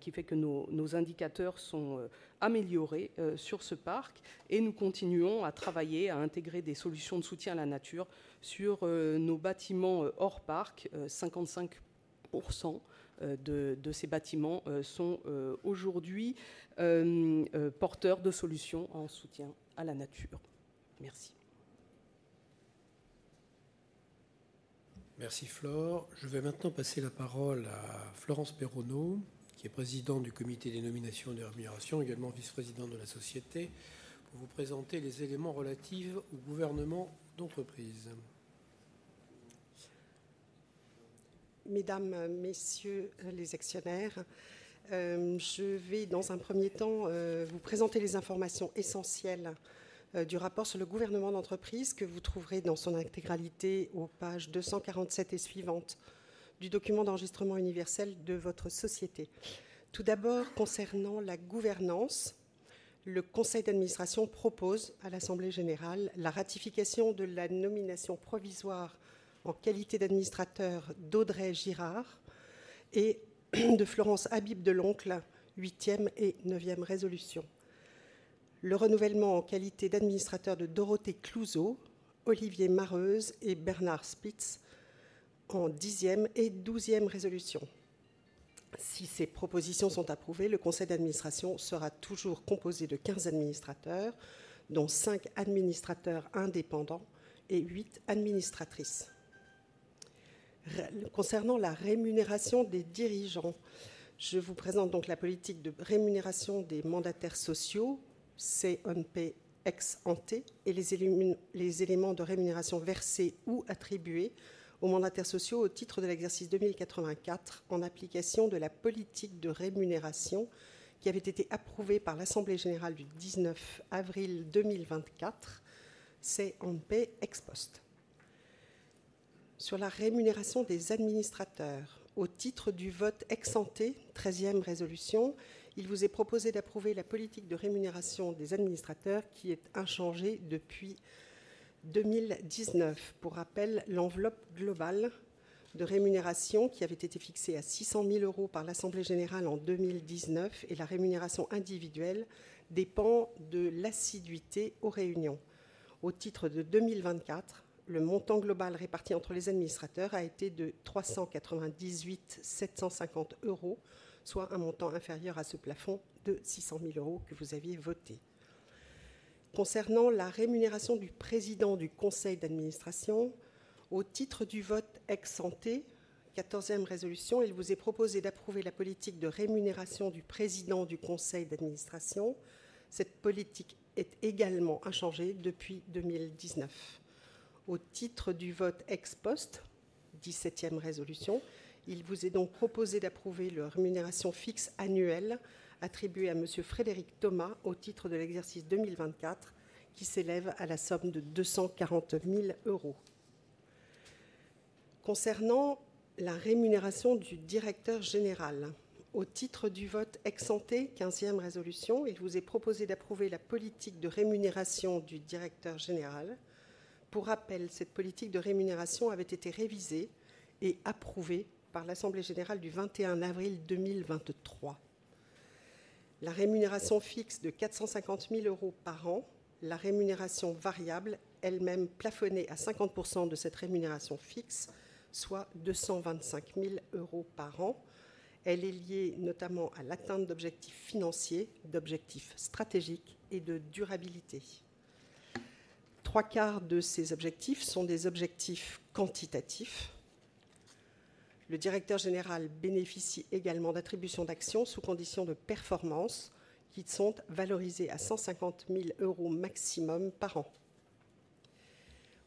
qui fait que nos indicateurs sont améliorés sur ce parc. Nous continuons à travailler, à intégrer des solutions de soutien à la nature sur nos bâtiments hors parc. 55% de ces bâtiments sont aujourd'hui porteurs de solutions en soutien à la nature. Merci. Merci, Flore. Je vais maintenant passer la parole à Florence Perronneau, qui est Présidente du Comité des Nominations et des Rémunérations, également Vice-Présidente de la société, pour vous présenter les éléments relatifs au gouvernement d'entreprise. Mesdames, Messieurs les actionnaires, je vais, dans un premier temps, vous présenter les informations essentielles du rapport sur le gouvernement d'entreprise que vous trouverez dans son intégralité aux pages 247 et suivantes du document d'enregistrement universel de votre société. Tout d'abord, concernant la gouvernance, le conseil d'administration propose à l'assemblée générale la ratification de la nomination provisoire en qualité d'administrateur d'Audrey Girard et de Florence Habib de l'Oncle, 8e et 9e résolutions. Le renouvellement en qualité d'administrateur de Dorothée Clouzot, Olivier Mareuse et Bernard Spitz, 10e et 12e résolutions. Si ces propositions sont approuvées, le conseil d'administration sera toujours composé de 15 administrateurs, dont 5 administrateurs indépendants et 8 administratrices. Concernant la rémunération des dirigeants, je vous présente donc la politique de rémunération des mandataires sociaux CNP Assurance et les éléments de rémunération versés ou attribués aux mandataires sociaux au titre de l'exercice 2023, en application de la politique de rémunération qui avait été approuvée par l'assemblée générale du 19 avril 2023 CNP Assurance. Sur la rémunération des administrateurs au titre du vote ex-ante, 13e résolution, il vous est proposé d'approuver la politique de rémunération des administrateurs qui est inchangée depuis 2019. Pour rappel, l'enveloppe globale de rémunération qui avait été fixée à 600 000 € par l'assemblée générale en 2019 et la rémunération individuelle dépend de l'assiduité aux réunions. Au titre de 2024, le montant global réparti entre les administrateurs a été de 398 750 €, soit un montant inférieur à ce plafond de 600 000 € que vous aviez voté. Concernant la rémunération du Président du Conseil d'Administration, au titre du vote ex-ante, 14e résolution, il vous est proposé d'approuver la politique de rémunération du Président du Conseil d'Administration. Cette politique est également inchangée depuis 2019. Au titre du vote Ex-post, 17e résolution, il vous est donc proposé d'approuver la rémunération fixe annuelle attribuée à Monsieur Frédéric Thomas, au titre de l'exercice 2024, qui s'élève à la somme de 240 000 €. Concernant la rémunération du Directeur Général, au titre du vote Ex-ante, 15e résolution, il vous est proposé d'approuver la politique de rémunération du Directeur Général. Pour rappel, cette politique de rémunération avait été révisée et approuvée par l'assemblée générale du 21 avril 2023. La rémunération fixe de 450 000 € par an, la rémunération variable, elle-même plafonnée à 50% de cette rémunération fixe, soit 225 000 € par an. Elle est liée notamment à l'atteinte d'objectifs financiers, d'objectifs stratégiques et de durabilité. Trois quarts de ces objectifs sont des objectifs quantitatifs. Le Directeur Général bénéficie également d'attributions d'actions sous conditions de performance qui sont valorisées à 150 000 € maximum par an.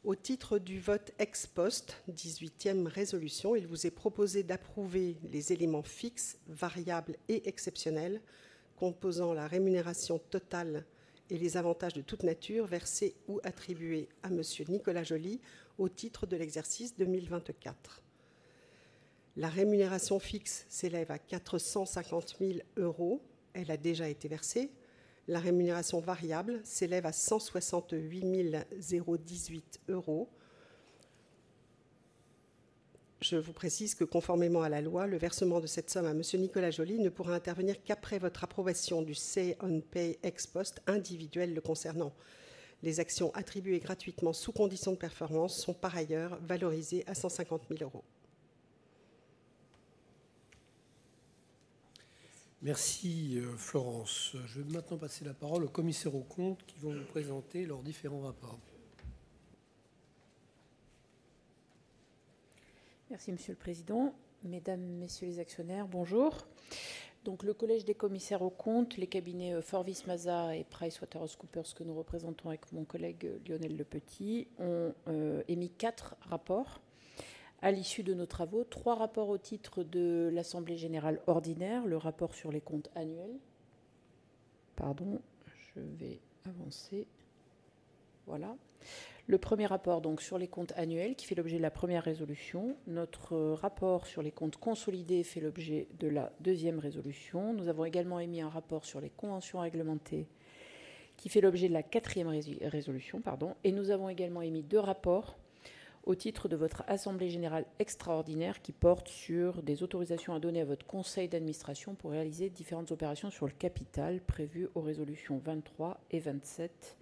Au titre du vote Ex-post, 18e résolution, il vous est proposé d'approuver les éléments fixes, variables et exceptionnels composant la rémunération totale et les avantages de toute nature versés ou attribués à Monsieur Nicolas Joly, au titre de l'exercice 2024. La rémunération fixe s'élève à 450 000 €. Elle a déjà été versée. La rémunération variable s'élève à 168 018 €. Je vous précise que, conformément à la loi, le versement de cette somme à Monsieur Nicolas Joly ne pourra intervenir qu'après votre approbation du say-on-pay Ex-post individuel le concernant. Les actions attribuées gratuitement sous conditions de performance sont par ailleurs valorisées à 150 000 €. Merci, Florence. Je vais maintenant passer la parole aux commissaires aux comptes qui vont vous présenter leurs différents rapports. Merci, Monsieur le Président. Mesdames, messieurs les actionnaires, bonjour. Donc, le collège des commissaires aux comptes, les cabinets Forbes, Vismaza et Price Waterhouse Coopers, que nous représentons avec mon collègue Lionel Lepetit, ont émis quatre rapports à l'issue de nos travaux. Trois rapports au titre de l'assemblée générale ordinaire, le rapport sur les comptes annuels. Le premier rapport, donc, sur les comptes annuels qui fait l'objet de la première résolution. Notre rapport sur les comptes consolidés fait l'objet de la deuxième résolution. Nous avons également émis un rapport sur les conventions réglementées qui fait l'objet de la quatrième résolution. Nous avons également émis deux rapports au titre de votre assemblée générale extraordinaire qui portent sur des autorisations à donner à votre conseil d'administration pour réaliser différentes opérations sur le capital prévues aux résolutions 23 et 27.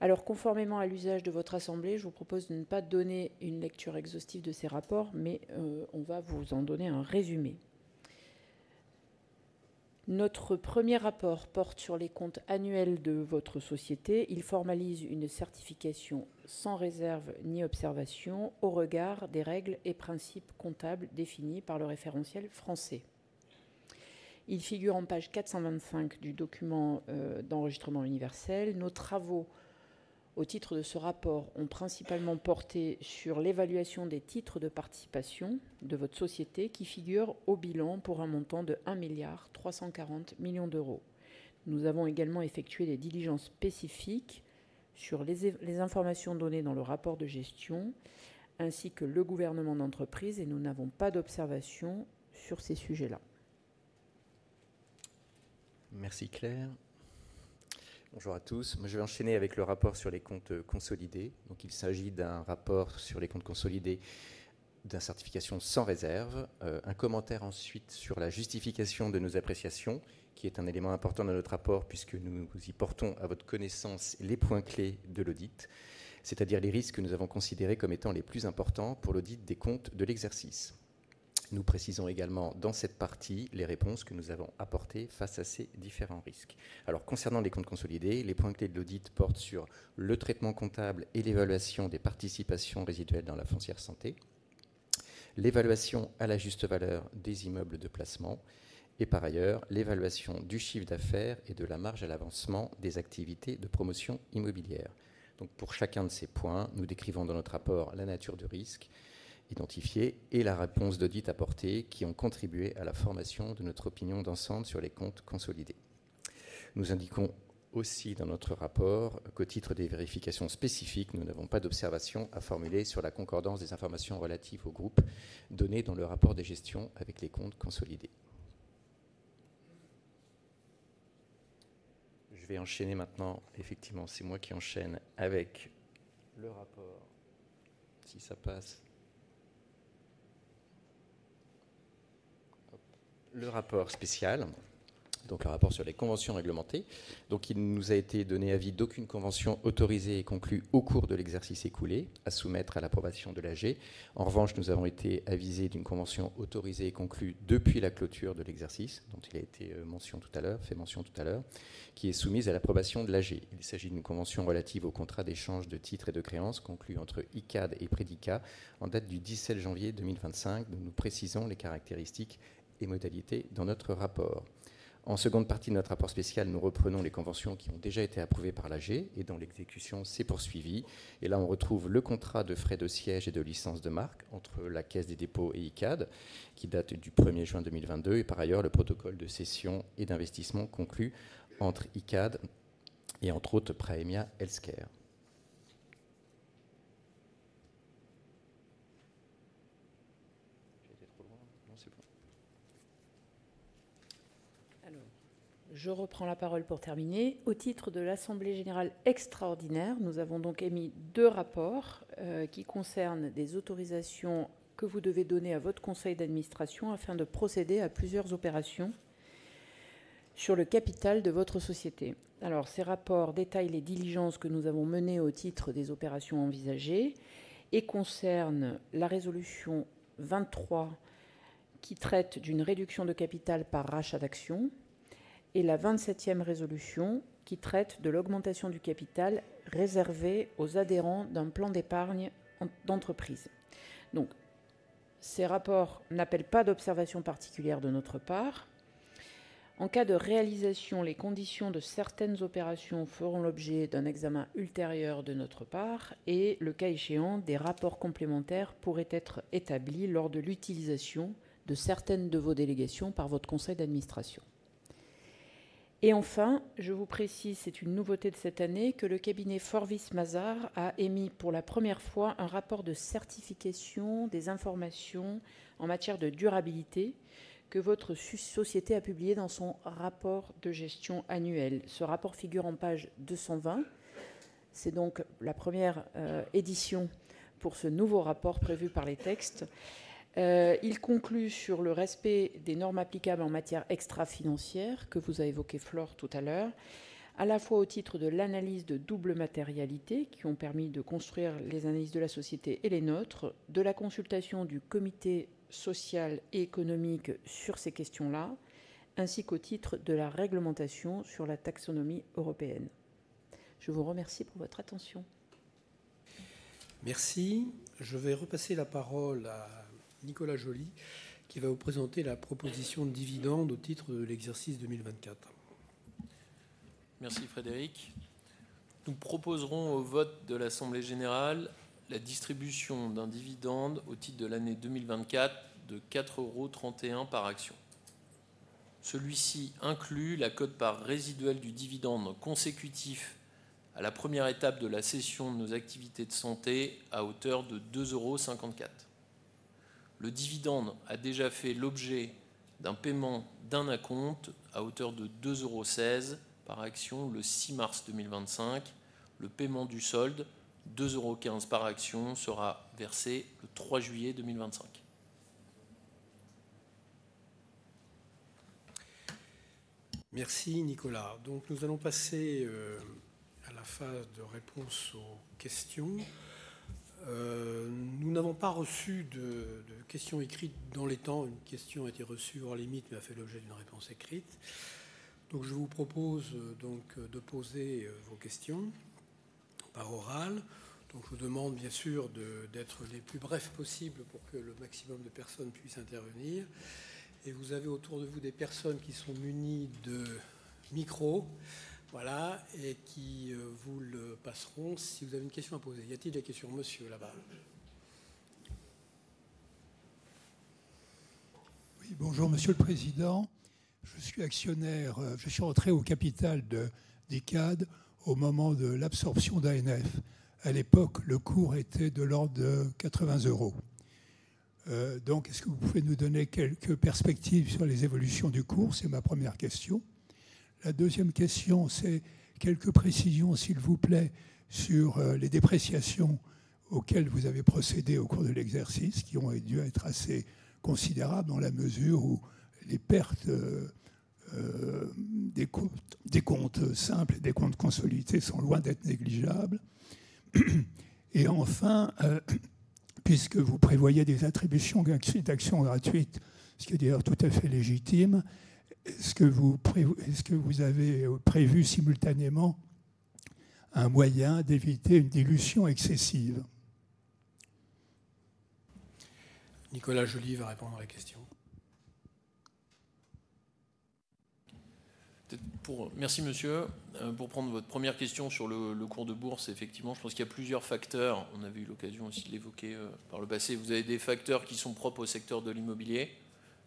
Alors, conformément à l'usage de votre assemblée, je vous propose de ne pas donner une lecture exhaustive de ces rapports, mais on va vous en donner un résumé. Notre premier rapport porte sur les comptes annuels de votre société. Il formalise une certification sans réserve ni observation au regard des règles et principes comptables définis par le référentiel français. Il figure en page 425 du document d'enregistrement universel. Nos travaux au titre de ce rapport ont principalement porté sur l'évaluation des titres de participation de votre société qui figurent au bilan pour un montant de 1,34 milliard d'euros. Nous avons également effectué des diligences spécifiques sur les informations données dans le rapport de gestion ainsi que le gouvernement d'entreprise, et nous n'avons pas d'observation sur ces sujets-là. Merci, Claire. Bonjour à tous. Moi, je vais enchaîner avec le rapport sur les comptes consolidés. Il s'agit d'un rapport sur les comptes consolidés de la certification sans réserve. Un commentaire ensuite sur la justification de nos appréciations, qui est un élément important de notre rapport puisque nous y portons à votre connaissance les points clés de l'audit, c'est-à-dire les risques que nous avons considérés comme étant les plus importants pour l'audit des comptes de l'exercice. Nous précisons également dans cette partie les réponses que nous avons apportées face à ces différents risques. Concernant les comptes consolidés, les points clés de l'audit portent sur le traitement comptable et l'évaluation des participations résiduelles dans la foncière santé, l'évaluation à la juste valeur des immeubles de placement et, par ailleurs, l'évaluation du chiffre d'affaires et de la marge à l'avancement des activités de promotion immobilière. Donc, pour chacun de ces points, nous décrivons dans notre rapport la nature du risque identifié et la réponse d'audit apportée qui ont contribué à la formation de notre opinion d'ensemble sur les comptes consolidés. Nous indiquons aussi dans notre rapport qu'au titre des vérifications spécifiques, nous n'avons pas d'observations à formuler sur la concordance des informations relatives au groupe données dans le rapport de gestion avec les comptes consolidés. Je vais enchaîner maintenant. Effectivement, c'est moi qui enchaîne avec le rapport, si ça passe. Le rapport spécial, donc le rapport sur les conventions réglementées. Il nous a été donné avis d'aucune convention autorisée et conclue au cours de l'exercice écoulé à soumettre à l'approbation de l'AG. En revanche, nous avons été avisés d'une convention autorisée et conclue depuis la clôture de l'exercice, dont il a été fait mention tout à l'heure, qui est soumise à l'approbation de l'AG. Il s'agit d'une convention relative au contrat d'échange de titres et de créances conclu entre Icade et Prédica, en date du 17 janvier 2025. Nous précisons les caractéristiques et modalités dans notre rapport. En seconde partie de notre rapport spécial, nous reprenons les conventions qui ont déjà été approuvées par l'AG et dont l'exécution s'est poursuivie. Et là, on retrouve le contrat de frais de siège et de licence de marque entre la Caisse des Dépôts et Icade, qui date du 1er juin 2022, et par ailleurs, le protocole de cession et d'investissement conclu entre Icade et, entre autres, Prémia Healthcare. Alors, je reprends la parole pour terminer. Au titre de l'assemblée générale extraordinaire, nous avons donc émis deux rapports qui concernent des autorisations que vous devez donner à votre conseil d'administration afin de procéder à plusieurs opérations sur le capital de votre société. Ces rapports détaillent les diligences que nous avons menées au titre des opérations envisagées et concernent la résolution 23 qui traite d'une réduction de capital par rachat d'actions et la 27e résolution qui traite de l'augmentation du capital réservé aux adhérents d'un plan d'épargne d'entreprise. Ces rapports n'appellent pas d'observations particulières de notre part. En cas de réalisation, les conditions de certaines opérations feront l'objet d'un examen ultérieur de notre part et, le cas échéant, des rapports complémentaires pourraient être établis lors de l'utilisation de certaines de vos délégations par votre conseil d'administration. Et enfin, je vous précise, c'est une nouveauté de cette année, que le cabinet Forbes Vismaza a émis pour la première fois un rapport de certification des informations en matière de durabilité que votre société a publié dans son rapport de gestion annuel. Ce rapport figure en page 220. C'est donc la première édition pour ce nouveau rapport prévu par les textes. Il conclut sur le respect des normes applicables en matière extra-financière que vous a évoqué Flor tout à l'heure, à la fois au titre de l'analyse de double matérialité qui ont permis de construire les analyses de la société et les nôtres, de la consultation du comité social et économique sur ces questions-là, ainsi qu'au titre de la réglementation sur la taxonomie européenne. Je vous remercie pour votre attention. Merci. Je vais repasser la parole à Nicolas Joly qui va vous présenter la proposition de dividendes au titre de l'exercice 2024. Merci, Frédéric. Nous proposerons au vote de l'assemblée générale la distribution d'un dividende au titre de l'année 2024 de 4,31 € par action. Celui-ci inclut la quote-part résiduelle du dividende consécutif à la première étape de la cession de nos activités de santé à hauteur de 2,54 €. Le dividende a déjà fait l'objet d'un paiement d'un acompte à hauteur de 2,16 € par action le 6 mars 2025. Le paiement du solde, 2,15 € par action, sera versé le 3 juillet 2025. Merci, Nicolas. Nous allons passer à la phase de réponses aux questions. Nous n'avons pas reçu de questions écrites dans les temps. Une question a été reçue hors limite, mais a fait l'objet d'une réponse écrite. Donc, je vous propose donc de poser vos questions par oral. Je vous demande bien sûr d'être les plus brefs possible pour que le maximum de personnes puissent intervenir. Vous avez autour de vous des personnes qui sont munies de micros et qui vous le passeront si vous avez une question à poser. Y a-t-il des questions, Monsieur, là-bas? Oui, bonjour, Monsieur le Président. Je suis actionnaire, je suis rentré au capital d'Icade au moment de l'absorption d'ANF. À l'époque, le cours était de l'ordre de 80 €. Est-ce que vous pouvez nous donner quelques perspectives sur les évolutions du cours? C'est ma première question. La deuxième question, c'est quelques précisions, s'il vous plaît, sur les dépréciations auxquelles vous avez procédé au cours de l'exercice, qui ont dû être assez considérables dans la mesure où les pertes des comptes simples et des comptes consolidés sont loin d'être négligeables. Et enfin, puisque vous prévoyez des attributions d'actions gratuites, ce qui est d'ailleurs tout à fait légitime, est-ce que vous avez prévu simultanément un moyen d'éviter une dilution excessive? Nicolas Joly va répondre à la question. Merci, Monsieur. Pour prendre votre première question sur le cours de bourse, effectivement, je pense qu'il y a plusieurs facteurs. On avait eu l'occasion aussi de l'évoquer par le passé. Vous avez des facteurs qui sont propres au secteur de l'immobilier,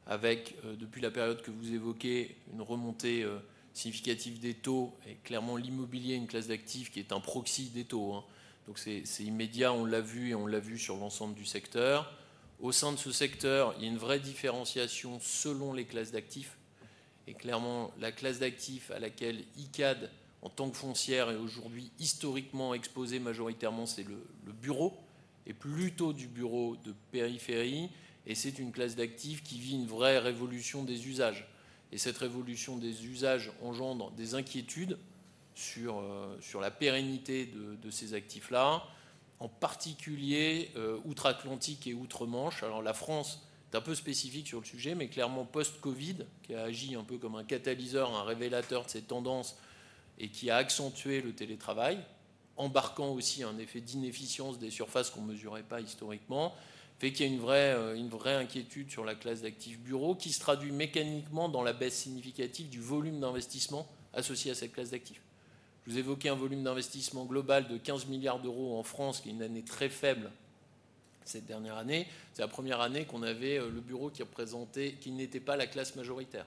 avec, depuis la période que vous évoquez, une remontée significative des taux. Et clairement, l'immobilier est une classe d'actifs qui est un proxy des taux. Donc, c'est immédiat, on l'a vu et on l'a vu sur l'ensemble du secteur. Au sein de ce secteur, il y a une vraie différenciation selon les classes d'actifs. Clairement, la classe d'actifs à laquelle Icade, en tant que foncière, est aujourd'hui historiquement exposée majoritairement, c'est le bureau et plutôt du bureau de périphérie. C'est une classe d'actifs qui vit une vraie révolution des usages. Cette révolution des usages engendre des inquiétudes sur la pérennité de ces actifs-là, en particulier outre-Atlantique et outre-Manche. Alors, la France est un peu spécifique sur le sujet, mais clairement, post-Covid, qui a agi un peu comme un catalyseur, un révélateur de ces tendances et qui a accentué le télétravail, embarquant aussi un effet d'inefficience des surfaces qu'on ne mesurait pas historiquement, fait qu'il y a une vraie inquiétude sur la classe d'actifs bureaux, qui se traduit mécaniquement dans la baisse significative du volume d'investissement associé à cette classe d'actifs. Je vous ai évoqué un volume d'investissement global de €15 milliards en France, qui est une année très faible cette dernière année. C'est la première année qu'on avait le bureau qui représentait, qui n'était pas la classe majoritaire.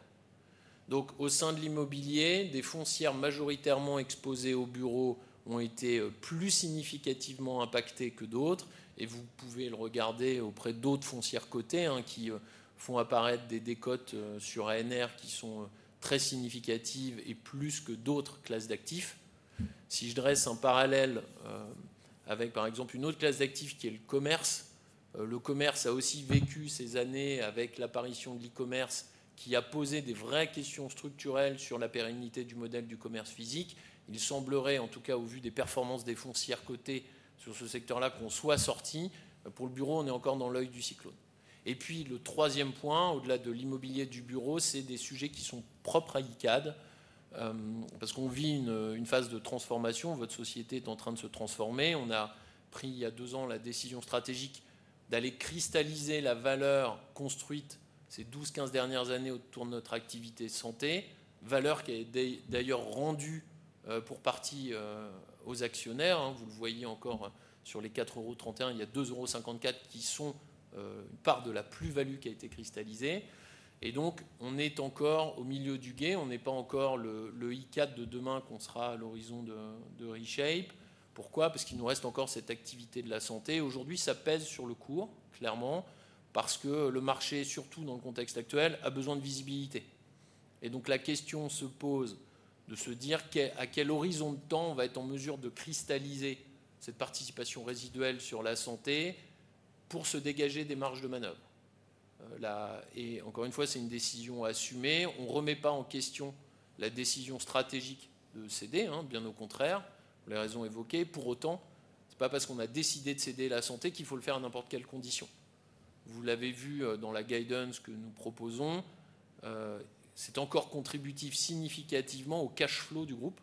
Donc, au sein de l'immobilier, des foncières majoritairement exposées aux bureaux ont été plus significativement impactées que d'autres. Et vous pouvez le regarder auprès d'autres foncières cotées qui font apparaître des décotes sur ANR qui sont très significatives et plus que d'autres classes d'actifs. Si je dresse un parallèle avec, par exemple, une autre classe d'actifs qui est le commerce, le commerce a aussi vécu ces années avec l'apparition de l'e-commerce, qui a posé des vraies questions structurelles sur la pérennité du modèle du commerce physique. Il semblerait, en tout cas au vu des performances des foncières cotées sur ce secteur-là, qu'on soit sorti. Pour le bureau, on est encore dans l'œil du cyclone. Et puis, le troisième point, au-delà de l'immobilier du bureau, ce sont des sujets qui sont propres à Icade, parce qu'on vit une phase de transformation. Votre société est en train de se transformer. On a pris, il y a deux ans, la décision stratégique d'aller cristalliser la valeur construite ces 12-15 dernières années autour de notre activité de santé, valeur qui a été d'ailleurs rendue pour partie aux actionnaires. Vous le voyez encore sur les 4,31 €, il y a 2,54 € qui sont une part de la plus-value qui a été cristallisée. Et donc, on est encore au milieu du gué. On n'est pas encore le Icade de demain qu'on sera à l'horizon de Reshape. Pourquoi? Parce qu'il nous reste encore cette activité de la santé. Aujourd'hui, ça pèse sur le cours, clairement, parce que le marché, surtout dans le contexte actuel, a besoin de visibilité. Et donc, la question se pose de se dire à quel horizon de temps on va être en mesure de cristalliser cette participation résiduelle sur la santé pour se dégager des marges de manœuvre. Et encore une fois, c'est une décision à assumer. On ne remet pas en question la décision stratégique de céder, bien au contraire, pour les raisons évoquées. Pour autant, ce n'est pas parce qu'on a décidé de céder la santé qu'il faut le faire à n'importe quelles conditions. Vous l'avez vu dans la guidance que nous proposons, c'est encore contributif significativement au cash flow du groupe.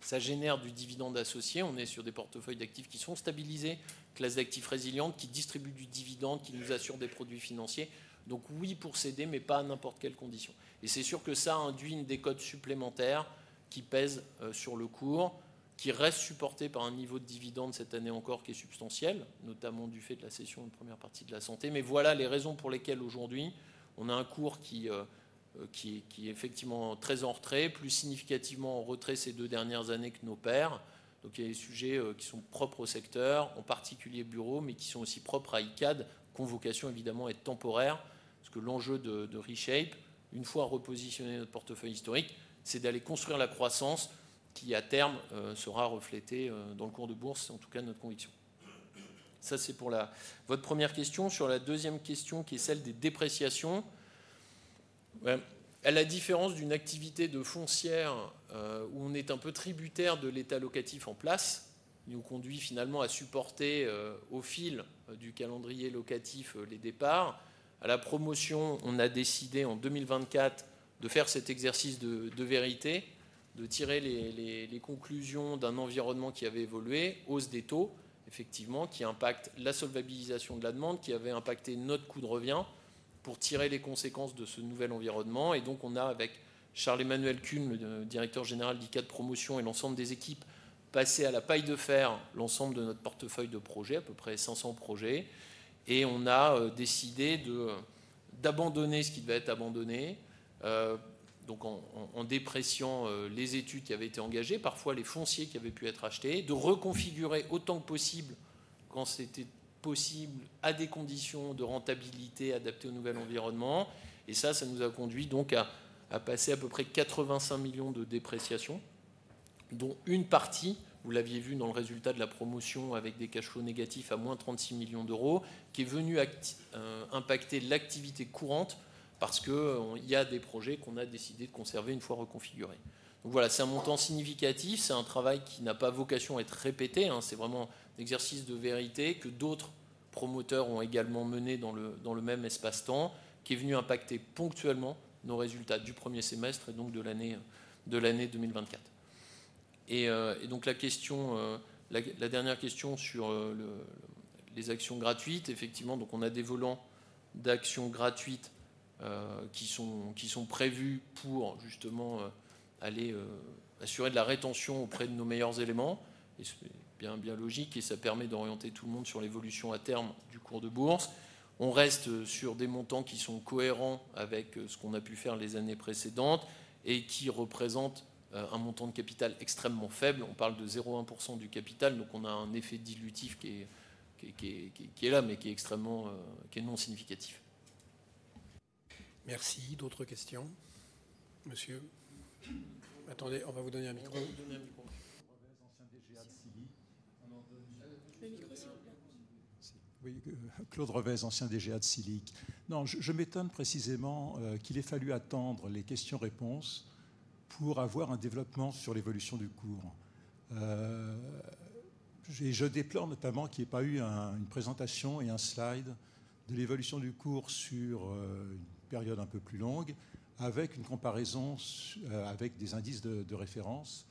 Ça génère du dividende associé. On est sur des portefeuilles d'actifs qui sont stabilisés, classes d'actifs résilientes qui distribuent du dividende, qui nous assurent des produits financiers. Donc oui, pour céder, mais pas à n'importe quelles conditions. Et c'est sûr que ça induit une décote supplémentaire qui pèse sur le cours, qui reste supportée par un niveau de dividendes cette année encore qui est substantiel, notamment du fait de la cession d'une première partie de la santé. Mais voilà les raisons pour lesquelles aujourd'hui, on a un cours qui est effectivement très en retrait, plus significativement en retrait ces deux dernières années que nos pairs. Donc, il y a des sujets qui sont propres au secteur, en particulier bureaux, mais qui sont aussi propres à Icade, convocation évidemment à être temporaire, parce que l'enjeu de Reshape, une fois repositionné notre portefeuille historique, c'est d'aller construire la croissance qui, à terme, sera reflétée dans le cours de bourse, en tout cas notre conviction. Ça, c'est pour votre première question. Sur la deuxième question, qui est celle des dépréciations, à la différence d'une activité de foncière où on est un peu tributaire de l'état locatif en place, qui nous conduit finalement à supporter au fil du calendrier locatif les départs, à la promotion, on a décidé en 2024 de faire cet exercice de vérité, de tirer les conclusions d'un environnement qui avait évolué, hausse des taux, effectivement, qui impacte la solvabilisation de la demande, qui avait impacté notre coût de revient pour tirer les conséquences de ce nouvel environnement. Et donc, on a, avec Charles Emmanuel Kuhn, le Directeur Général d'Icade Promotion et l'ensemble des équipes, passé à la paille de fer l'ensemble de notre portefeuille de projets, à peu près 500 projets, et on a décidé d'abandonner ce qui devait être abandonné, donc en dépréciation les études qui avaient été engagées, parfois les fonciers qui avaient pu être achetés, de reconfigurer autant que possible, quand c'était possible, à des conditions de rentabilité adaptées au nouvel environnement. Et ça, ça nous a conduits donc à passer à peu près €85 millions de dépréciation, dont une partie, vous l'aviez vue dans le résultat de la promotion avec des cash flows négatifs à moins €36 millions, qui est venue impacter l'activité courante, parce qu'il y a des projets qu'on a décidé de conserver une fois reconfigurés. Donc voilà, c'est un montant significatif, c'est un travail qui n'a pas vocation à être répété. C'est vraiment un exercice de vérité que d'autres promoteurs ont également mené dans le même espace-temps, qui est venu impacter ponctuellement nos résultats du premier semestre et donc de l'année 2024. Et donc, la question, la dernière question sur les actions gratuites, effectivement, donc on a des volants d'actions gratuites qui sont prévus pour justement aller assurer de la rétention auprès de nos meilleurs éléments, et c'est bien logique, et ça permet d'orienter tout le monde sur l'évolution à terme du cours de bourse. On reste sur des montants qui sont cohérents avec ce qu'on a pu faire les années précédentes et qui représentent un montant de capital extrêmement faible. On parle de 0,1% du capital, donc on a un effet dilutif qui est là, mais qui est extrêmement, qui est non significatif. Merci. D'autres questions? Monsieur? Attendez, on va vous donner un micro. Claude Reveize, ancien DGA de SILIC. Le micro, s'il vous plaît. Merci. Oui, Claude Reveize, ancien DGA de SILIC. Non, je m'étonne précisément qu'il ait fallu attendre les questions-réponses pour avoir un développement sur l'évolution du cours. Je déplore notamment qu'il n'y ait pas eu une présentation et un slide de l'évolution du cours sur une période un peu plus longue, avec une comparaison avec des indices de référence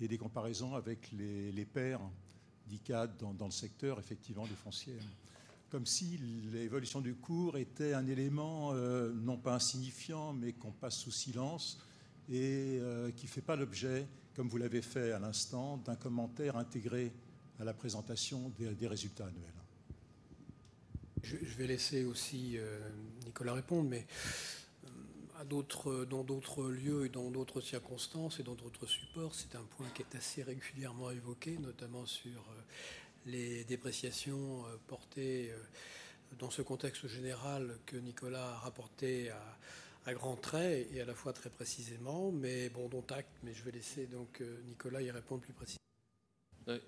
et des comparaisons avec les pairs d'Icade dans le secteur effectivement du foncier. Comme si l'évolution du cours était un élément non pas insignifiant, mais qu'on passe sous silence et qui ne fait pas l'objet, comme vous l'avez fait à l'instant, d'un commentaire intégré à la présentation des résultats annuels. Je vais laisser aussi Nicolas répondre, mais dans d'autres lieux, dans d'autres circonstances et dans d'autres supports, c'est un point qui est assez régulièrement évoqué, notamment sur les dépréciations portées dans ce contexte général que Nicolas a rapporté à grands traits et à la fois très précisément. Mais bon, dont acte, mais je vais laisser donc Nicolas y répondre plus précisément.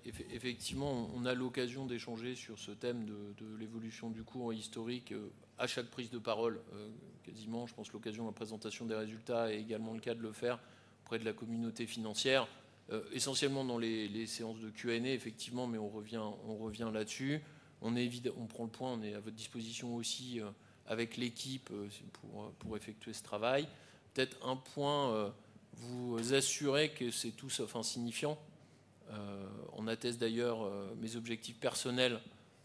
Effectivement, on a l'occasion d'échanger sur ce thème de l'évolution du cours historique à chaque prise de parole, quasiment. Je pense que l'occasion de la présentation des résultats est également le cas de le faire auprès de la communauté financière, essentiellement dans les séances de Q&A, effectivement, mais on revient là-dessus. On prend le point, on est à votre disposition aussi avec l'équipe pour effectuer ce travail. Peut-être un point, vous assurez que c'est tout sauf insignifiant. On atteste d'ailleurs mes objectifs personnels,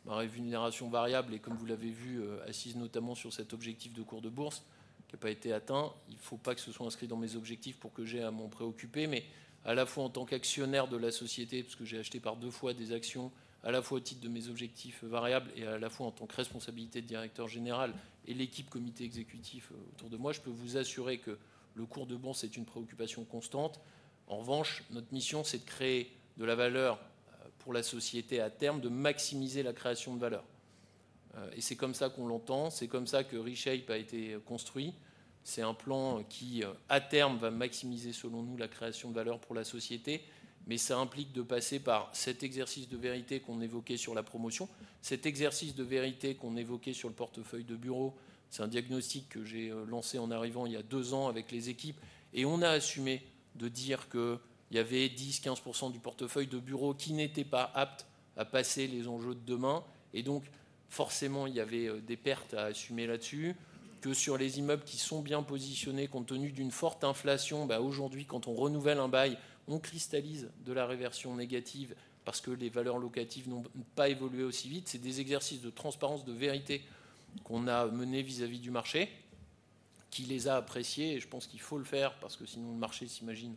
ma rémunération variable, et comme vous l'avez vu, assise notamment sur cet objectif de cours de bourse qui n'a pas été atteint. Il ne faut pas que ce soit inscrit dans mes objectifs pour que j'aie à m'en préoccuper. Mais à la fois en tant qu'actionnaire de la société, parce que j'ai acheté par deux fois des actions, à la fois au titre de mes objectifs variables et à la fois en tant que responsabilité de directeur général et l'équipe comité exécutif autour de moi, je peux vous assurer que le cours de bourse, c'est une préoccupation constante. En revanche, notre mission, c'est de créer de la valeur pour la société à terme, de maximiser la création de valeur. Et c'est comme ça qu'on l'entend, c'est comme ça que Reshape a été construit. C'est un plan qui, à terme, va maximiser selon nous la création de valeur pour la société, mais ça implique de passer par cet exercice de vérité qu'on évoquait sur la promotion, cet exercice de vérité qu'on évoquait sur le portefeuille de bureaux. C'est un diagnostic que j'ai lancé en arrivant il y a deux ans avec les équipes, et on a assumé de dire qu'il y avait 10-15% du portefeuille de bureaux qui n'étaient pas aptes à passer les enjeux de demain. Donc, forcément, il y avait des pertes à assumer là-dessus. Que sur les immeubles qui sont bien positionnés, compte tenu d'une forte inflation, aujourd'hui, quand on renouvelle un bail, on cristallise de la réversion négative parce que les valeurs locatives n'ont pas évolué aussi vite. Ce sont des exercices de transparence, de vérité qu'on a menés vis-à-vis du marché, qui les a appréciés, et je pense qu'il faut le faire parce que sinon le marché s'imagine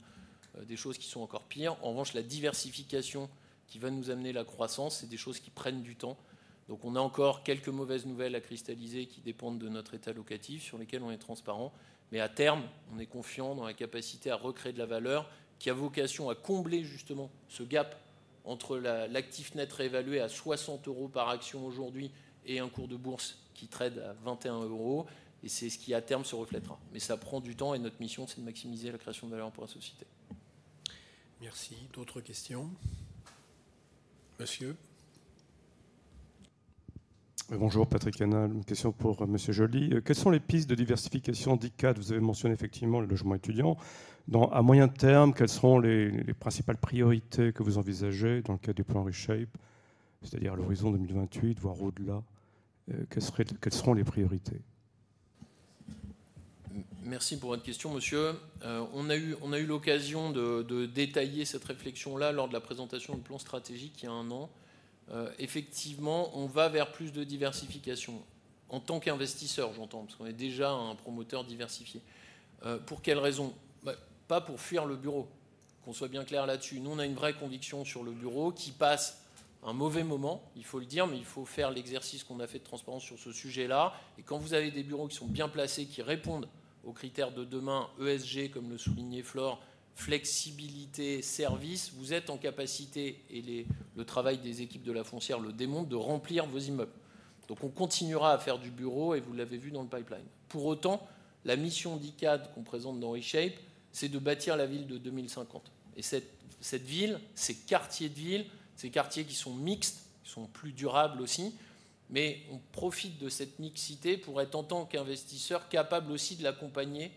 des choses qui sont encore pires. En revanche, la diversification qui va nous amener la croissance, ce sont des choses qui prennent du temps. Donc, on a encore quelques mauvaises nouvelles à cristalliser qui dépendent de notre état locatif sur lequel on est transparent, mais à terme, on est confiant dans la capacité à recréer de la valeur qui a vocation à combler justement ce gap entre l'actif net réévalué à €60 par action aujourd'hui et un cours de bourse qui trade à €21, et c'est ce qui, à terme, se reflétera. Mais ça prend du temps et notre mission, c'est de maximiser la création de valeur pour la société. Merci. D'autres questions? Monsieur? Bonjour, Patrick Canal, une question pour Monsieur Joly. Quelles sont les pistes de diversification d'Icade? Vous avez mentionné effectivement le logement étudiant. À moyen terme, quelles seront les principales priorités que vous envisagez dans le cadre du plan Reshape? C'est-à-dire à l'horizon 2028, voire au-delà, quelles seront les priorités? Merci pour votre question, Monsieur. On a eu l'occasion de détailler cette réflexion-là lors de la présentation du plan stratégique il y a un an. Effectivement, on va vers plus de diversification. En tant qu'investisseur, j'entends, parce qu'on est déjà un promoteur diversifié. Pour quelle raison? Pas pour fuir le bureau, qu'on soit bien clair là-dessus. Nous, on a une vraie conviction sur le bureau qui passe un mauvais moment, il faut le dire, mais il faut faire l'exercice qu'on a fait de transparence sur ce sujet-là. Et quand vous avez des bureaux qui sont bien placés, qui répondent aux critères de demain, ESG, comme le soulignait Flore, flexibilité, service, vous êtes en capacité, et le travail des équipes de la foncière le démontre, de remplir vos immeubles. Donc, on continuera à faire du bureau et vous l'avez vu dans le pipeline. Pour autant, la mission d'Icade qu'on présente dans Reshape, c'est de bâtir la ville de 2050. Et cette ville, ces quartiers de ville, ces quartiers qui sont mixtes, qui sont plus durables aussi, mais on profite de cette mixité pour être, en tant qu'investisseur, capable aussi de l'accompagner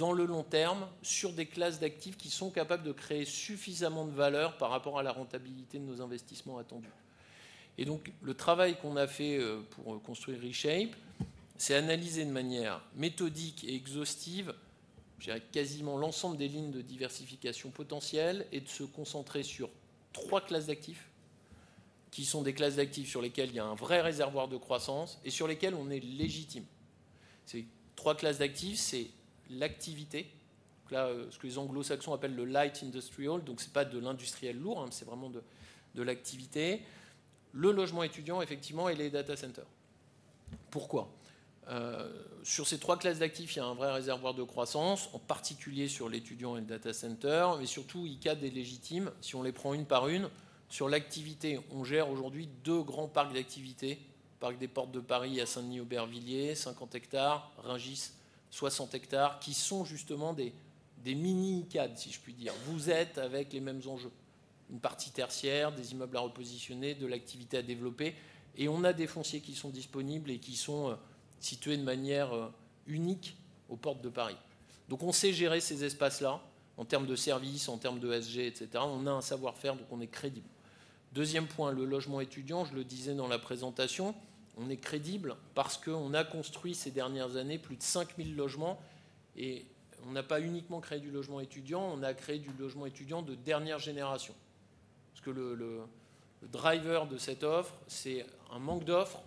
dans le long terme sur des classes d'actifs qui sont capables de créer suffisamment de valeur par rapport à la rentabilité de nos investissements attendus. Et donc, le travail qu'on a fait pour construire Reshape, c'est analyser de manière méthodique et exhaustive, je dirais quasiment l'ensemble des lignes de diversification potentielles et de se concentrer sur trois classes d'actifs qui sont des classes d'actifs sur lesquelles il y a un vrai réservoir de croissance et sur lesquelles on est légitime. Ces trois classes d'actifs, c'est l'activité, donc là, ce que les Anglo-Saxons appellent le light industrial, donc ce n'est pas de l'industriel lourd, mais c'est vraiment de l'activité, le logement étudiant, effectivement, et les data centers. Pourquoi? Sur ces trois classes d'actifs, il y a un vrai réservoir de croissance, en particulier sur l'étudiant et le data center, mais surtout Icade est légitime, si on les prend une par une. Sur l'activité, on gère aujourd'hui deux grands parcs d'activités: parc des Portes de Paris à Saint-Denis-Aubervilliers, 50 hectares, Rungis, 60 hectares, qui sont justement des mini-Icade, si je puis dire. Vous êtes avec les mêmes enjeux: une partie tertiaire, des immeubles à repositionner, de l'activité à développer, et on a des fonciers qui sont disponibles et qui sont situés de manière unique aux Portes de Paris. Donc, on sait gérer ces espaces-là en termes de services, en termes d'ESG, etc. On a un savoir-faire, donc on est crédible. Deuxième point, le logement étudiant, je le disais dans la présentation, on est crédible parce qu'on a construit ces dernières années plus de 5 000 logements, et on n'a pas uniquement créé du logement étudiant, on a créé du logement étudiant de dernière génération. Parce que le driver de cette offre, c'est un manque d'offre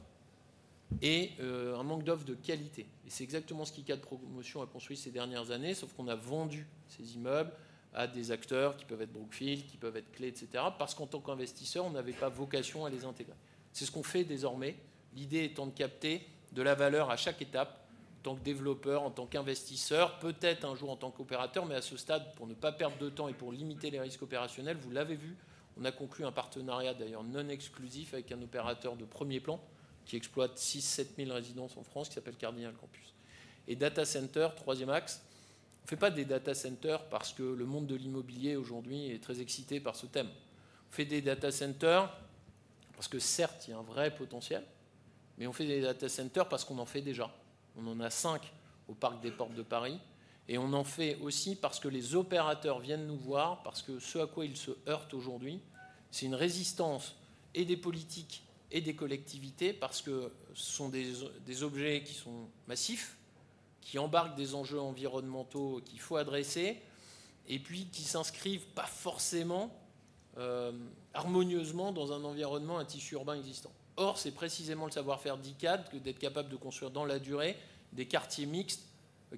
et un manque d'offre de qualité. Et c'est exactement ce qu'Icade Promotion a construit ces dernières années, sauf qu'on a vendu ces immeubles à des acteurs qui peuvent être Brookfield, qui peuvent être CLE, etc., parce qu'en tant qu'investisseur, on n'avait pas vocation à les intégrer. C'est ce qu'on fait désormais. L'idée étant de capter de la valeur à chaque étape, en tant que développeur, en tant qu'investisseur, peut-être un jour en tant qu'opérateur, mais à ce stade, pour ne pas perdre de temps et pour limiter les risques opérationnels, vous l'avez vu, on a conclu un partenariat d'ailleurs non exclusif avec un opérateur de premier plan qui exploite 6 000-7 000 résidences en France, qui s'appelle Cardinal Campus. Et data center, troisième axe, on ne fait pas des data centers parce que le monde de l'immobilier aujourd'hui est très excité par ce thème. On fait des data centers parce que certes, il y a un vrai potentiel, mais on fait des data centers parce qu'on en fait déjà. On en a cinq au parc des Portes de Paris, et on en fait aussi parce que les opérateurs viennent nous voir, parce que ce à quoi ils se heurtent aujourd'hui, c'est une résistance et des politiques et des collectivités, parce que ce sont des objets qui sont massifs, qui embarquent des enjeux environnementaux qu'il faut adresser, et puis qui ne s'inscrivent pas forcément harmonieusement dans un environnement à tissu urbain existant. Or, c'est précisément le savoir-faire d'Icade que d'être capable de construire dans la durée des quartiers mixtes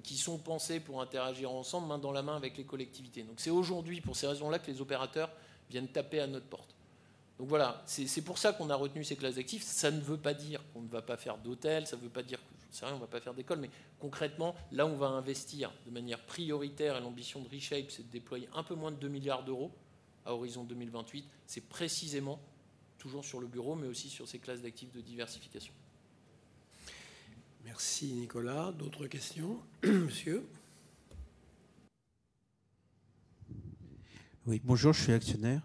qui sont pensés pour interagir ensemble, main dans la main avec les collectivités. Donc, c'est aujourd'hui pour ces raisons-là que les opérateurs viennent taper à notre porte. Donc voilà, c'est pour ça qu'on a retenu ces classes d'actifs. Ça ne veut pas dire qu'on ne va pas faire d'hôtels, ça ne veut pas dire que, je ne sais pas, on ne va pas faire d'écoles, mais concrètement, là où on va investir de manière prioritaire, et l'ambition de Reshape, c'est de déployer un peu moins de 2 milliards d'euros à horizon 2028, c'est précisément toujours sur le bureau, mais aussi sur ces classes d'actifs de diversification. Merci, Nicolas. D'autres questions? Monsieur? Oui, bonjour, je suis actionnaire.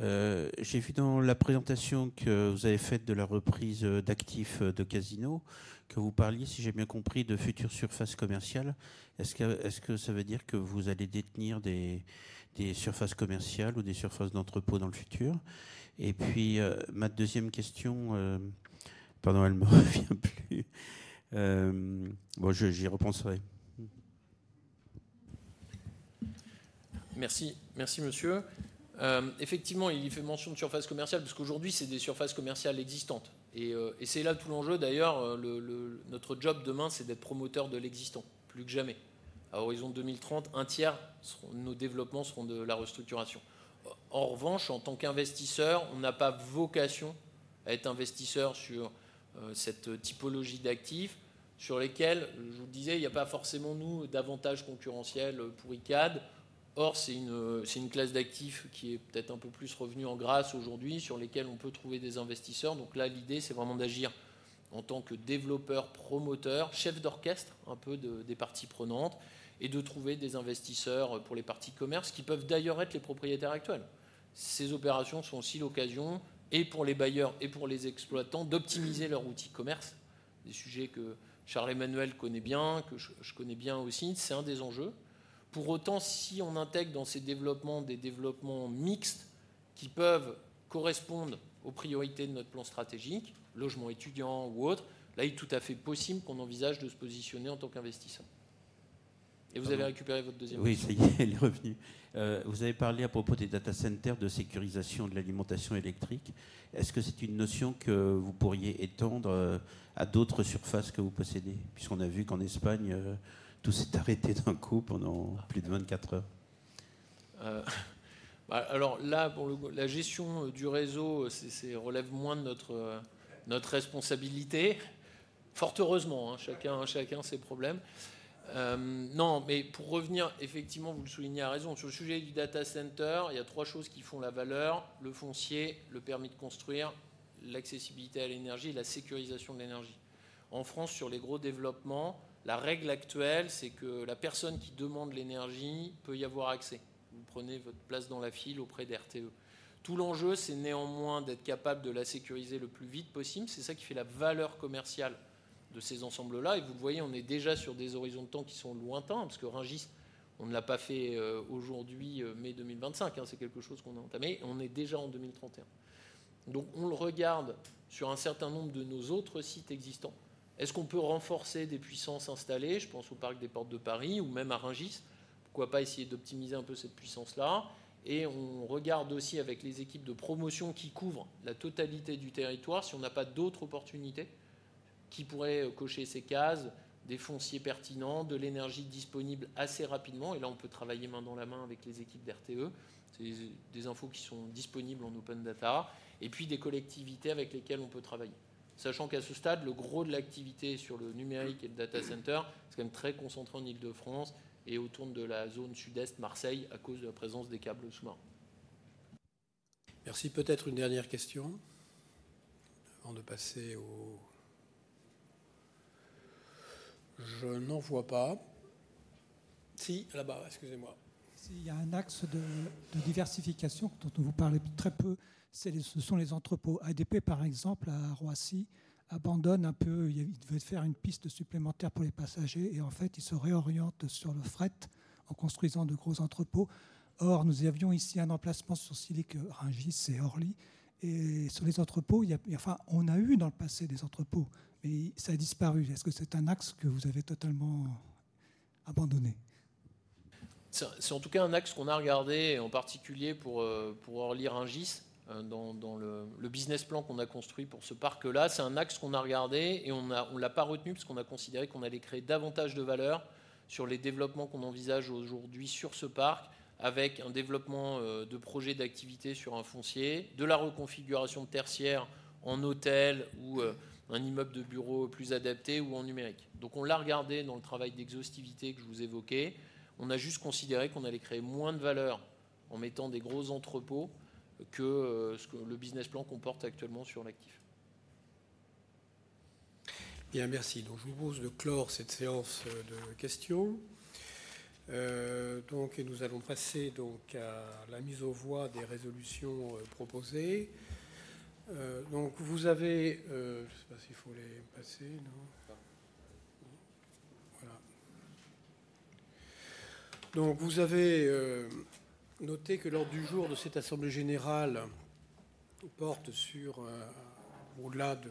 J'ai vu dans la présentation que vous avez faite de la reprise d'actifs de Casino, que vous parliez, si j'ai bien compris, de futures surfaces commerciales. Est-ce que ça veut dire que vous allez détenir des surfaces commerciales ou des surfaces d'entrepôt dans le futur? Et puis, ma deuxième question, pardon, elle ne me revient plus. Bon, j'y repenserai. Merci, Monsieur. Effectivement, il fait mention de surfaces commerciales, parce qu'aujourd'hui, ce sont des surfaces commerciales existantes. Et c'est là tout l'enjeu. D'ailleurs, notre job demain, c'est d'être promoteur de l'existant, plus que jamais. À horizon 2030, un tiers de nos développements seront de la restructuration. En revanche, en tant qu'investisseur, on n'a pas vocation à être investisseur sur cette typologie d'actifs sur lesquels, je vous le disais, il n'y a pas forcément, nous, d'avantage concurrentiel pour Icade. Or, c'est une classe d'actifs qui est peut-être un peu plus revenue en grâce aujourd'hui, sur lesquels on peut trouver des investisseurs. Donc là, l'idée, c'est vraiment d'agir en tant que développeur-promoteur, chef d'orchestre un peu des parties prenantes, et de trouver des investisseurs pour les parties commerces, qui peuvent d'ailleurs être les propriétaires actuels. Ces opérations sont aussi l'occasion, et pour les bailleurs et pour les exploitants, d'optimiser leur outil commerce, des sujets que Charles Emmanuel connaît bien, que je connais bien aussi. C'est un des enjeux. Pour autant, si on intègre dans ces développements des développements mixtes qui peuvent correspondre aux priorités de notre plan stratégique, logement étudiant ou autre, là, il est tout à fait possible qu'on envisage de se positionner en tant qu'investisseur. Et vous avez récupéré votre deuxième question? Oui, ça y est, elle est revenue. Vous avez parlé à propos des data centers de sécurisation de l'alimentation électrique. Est-ce que c'est une notion que vous pourriez étendre à d'autres surfaces que vous possédez? Puisqu'on a vu qu'en Espagne, tout s'est arrêté d'un coup pendant plus de 24 heures. Alors là, la gestion du réseau, ça relève moins de notre responsabilité. Fort heureusement, chacun a ses problèmes. Non, mais pour revenir, effectivement, vous le soulignez à raison, sur le sujet du data center, il y a trois choses qui font la valeur: le foncier, le permis de construire, l'accessibilité à l'énergie et la sécurisation de l'énergie. En France, sur les gros développements, la règle actuelle, c'est que la personne qui demande l'énergie peut y avoir accès. Vous prenez votre place dans la file auprès de RTE. Tout l'enjeu, c'est néanmoins d'être capable de la sécuriser le plus vite possible. C'est ça qui fait la valeur commerciale de ces ensembles-là. Et vous le voyez, on est déjà sur des horizons de temps qui sont lointains, parce que Rungis, on ne l'a pas fait aujourd'hui, mai 2025, c'est quelque chose qu'on a entamé, on est déjà en 2031. Donc, on le regarde sur un certain nombre de nos autres sites existants. Est-ce qu'on peut renforcer des puissances installées? Je pense au parc des Portes de Paris ou même à Rungis. Pourquoi pas essayer d'optimiser un peu cette puissance-là? On regarde aussi avec les équipes de promotion qui couvrent la totalité du territoire, si on n'a pas d'autres opportunités, qui pourraient cocher ces cases, des fonciers pertinents, de l'énergie disponible assez rapidement. Là, on peut travailler main dans la main avec les équipes des RTE. Ce sont des infos qui sont disponibles en open data, et puis des collectivités avec lesquelles on peut travailler. Sachant qu'à ce stade, le gros de l'activité sur le numérique et le data center, c'est quand même très concentré en Île-de-France et autour de la zone sud-est Marseille à cause de la présence des câbles sous-marins. Merci. Peut-être une dernière question avant de passer au... Je n'en vois pas. Si, là-bas, excusez-moi. Il y a un axe de diversification dont on vous parlait très peu. Ce sont les entrepôts. ADP, par exemple, à Roissy, abandonne un peu. Il devait faire une piste supplémentaire pour les passagers, et en fait, il se réoriente sur le fret en construisant de gros entrepôts. Or, nous avions ici un emplacement sur Silic, Rungis et Orly, et sur les entrepôts, enfin, on a eu dans le passé des entrepôts, mais ça a disparu. Est-ce que c'est un axe que vous avez totalement abandonné? C'est en tout cas un axe qu'on a regardé, et en particulier pour Orly-Rungis, dans le business plan qu'on a construit pour ce parc-là. C'est un axe qu'on a regardé et on ne l'a pas retenu parce qu'on a considéré qu'on allait créer davantage de valeur sur les développements qu'on envisage aujourd'hui sur ce parc, avec un développement de projets d'activité sur un foncier, de la reconfiguration tertiaire en hôtel ou un immeuble de bureaux plus adapté ou en numérique. Donc, on l'a regardé dans le travail d'exhaustivité que je vous évoquais. On a juste considéré qu'on allait créer moins de valeur en mettant des gros entrepôts que ce que le business plan comporte actuellement sur l'actif. Bien, merci. Donc, je vous propose de clore cette séance de questions. Donc, nous allons passer donc à la mise au voix des résolutions proposées. Donc, vous avez... Je ne sais pas s'il faut les passer, non? Donc, vous avez noté que lors du jour de cette assemblée générale, on porte sur, au-delà de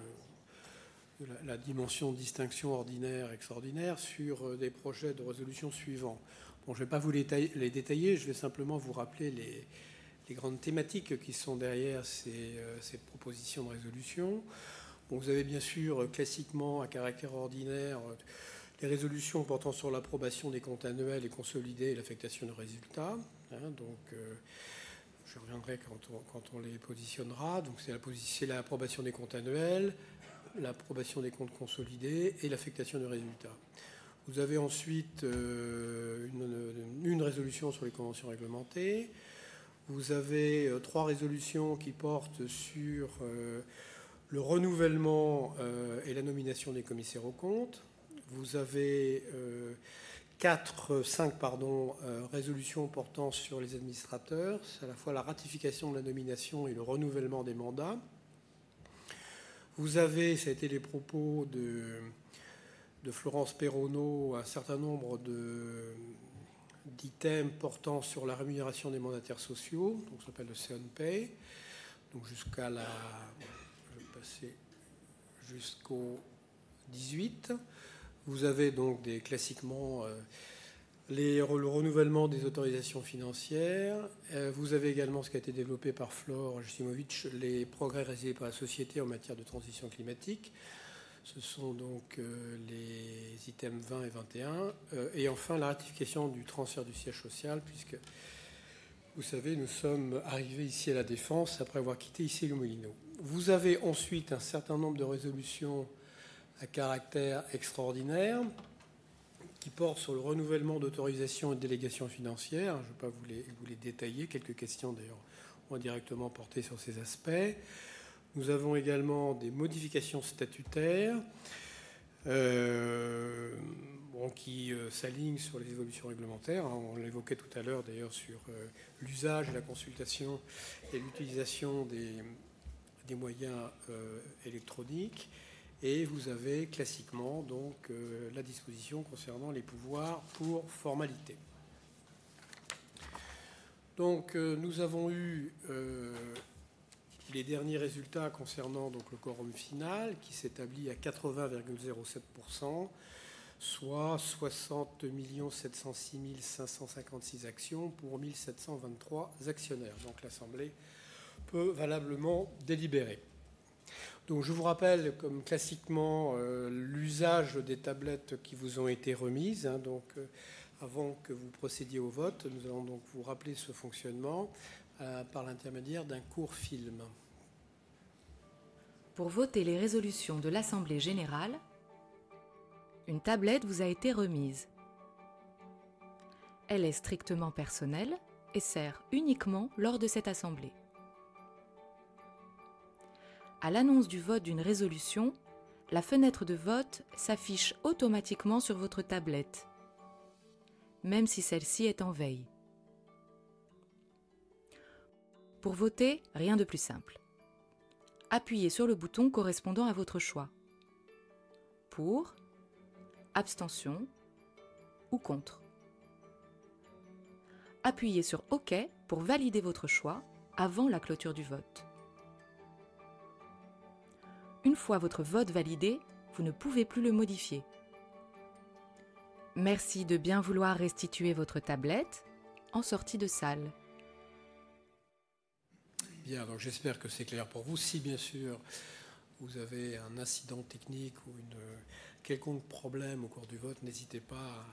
la dimension distinction ordinaire et extraordinaire, sur des projets de résolutions suivants. Bon, je ne vais pas vous les détailler, je vais simplement vous rappeler les grandes thématiques qui sont derrière ces propositions de résolutions. Donc, vous avez bien sûr, classiquement, à caractère ordinaire, les résolutions portant sur l'approbation des comptes annuels et consolidés et l'affectation de résultats. Donc, je reviendrai quand on les positionnera. Donc, c'est l'approbation des comptes annuels, l'approbation des comptes consolidés et l'affectation de résultats. Vous avez ensuite une résolution sur les conventions réglementées. Vous avez trois résolutions qui portent sur le renouvellement et la nomination des commissaires aux comptes. Vous avez quatre, cinq, pardon, résolutions portant sur les administrateurs. C'est à la fois la ratification de la nomination et le renouvellement des mandats. Vous avez, ça a été les propos de Florence Perronneau, un certain nombre d'items portant sur la rémunération des mandataires sociaux, donc ça s'appelle le CEO&PAY, donc jusqu'à la... Je vais passer jusqu'au 18. Vous avez donc des, classiquement, les renouvellements des autorisations financières. Vous avez également ce qui a été développé par Florence Simovitch, les progrès réalisés par la société en matière de transition climatique. Ce sont donc les items 20 et 21. Et enfin, la ratification du transfert du siège social, puisque vous savez, nous sommes arrivés ici à La Défense après avoir quitté le Moulineau. Vous avez ensuite un certain nombre de résolutions à caractère extraordinaire qui portent sur le renouvellement d'autorisations et de délégations financières. Je ne vais pas vous les détailler. Quelques questions, d'ailleurs, vont directement porter sur ces aspects. Nous avons également des modifications statutaires qui s'alignent sur les évolutions réglementaires. On l'évoquait tout à l'heure, d'ailleurs, sur l'usage, la consultation et l'utilisation des moyens électroniques. Et vous avez, classiquement, donc la disposition concernant les pouvoirs pour formalités. Donc, nous avons eu les derniers résultats concernant le quorum final qui s'établit à 80,07%, soit 60 706 556 actions pour 1 723 actionnaires. Donc, l'assemblée peut valablement délibérer. Je vous rappelle, comme classiquement, l'usage des tablettes qui vous ont été remises. Avant que vous procédiez au vote, nous allons vous rappeler ce fonctionnement par l'intermédiaire d'un court film. Pour voter les résolutions de l'assemblée générale, une tablette vous a été remise. Elle est strictement personnelle et sert uniquement lors de cette assemblée. À l'annonce du vote d'une résolution, la fenêtre de vote s'affiche automatiquement sur votre tablette, même si celle-ci est en veille. Pour voter, rien de plus simple. Appuyez sur le bouton correspondant à votre choix: pour, abstention ou contre. Appuyez sur OK pour valider votre choix avant la clôture du vote. Une fois votre vote validé, vous ne pouvez plus le modifier. Merci de bien vouloir restituer votre tablette en sortie de salle. Bien, donc j'espère que c'est clair pour vous. Si, bien sûr, vous avez un incident technique ou un quelconque problème au cours du vote, n'hésitez pas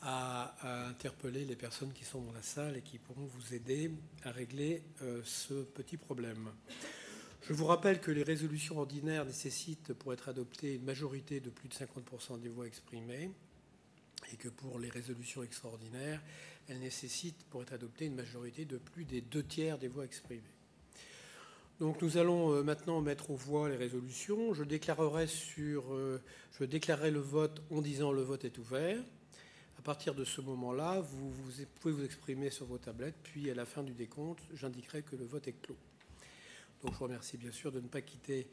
à interpeller les personnes qui sont dans la salle et qui pourront vous aider à régler ce petit problème. Je vous rappelle que les résolutions ordinaires nécessitent, pour être adoptées, une majorité de plus de 50% des voix exprimées et que pour les résolutions extraordinaires, elles nécessitent, pour être adoptées, une majorité de plus des deux tiers des voix exprimées. Donc, nous allons maintenant mettre aux voix les résolutions. Je déclarerai le vote en disant: « Le vote est ouvert. » À partir de ce moment-là, vous pouvez vous exprimer sur vos tablettes, puis à la fin du décompte, j'indiquerai que le vote est clos. Donc, je vous remercie, bien sûr, de ne pas quitter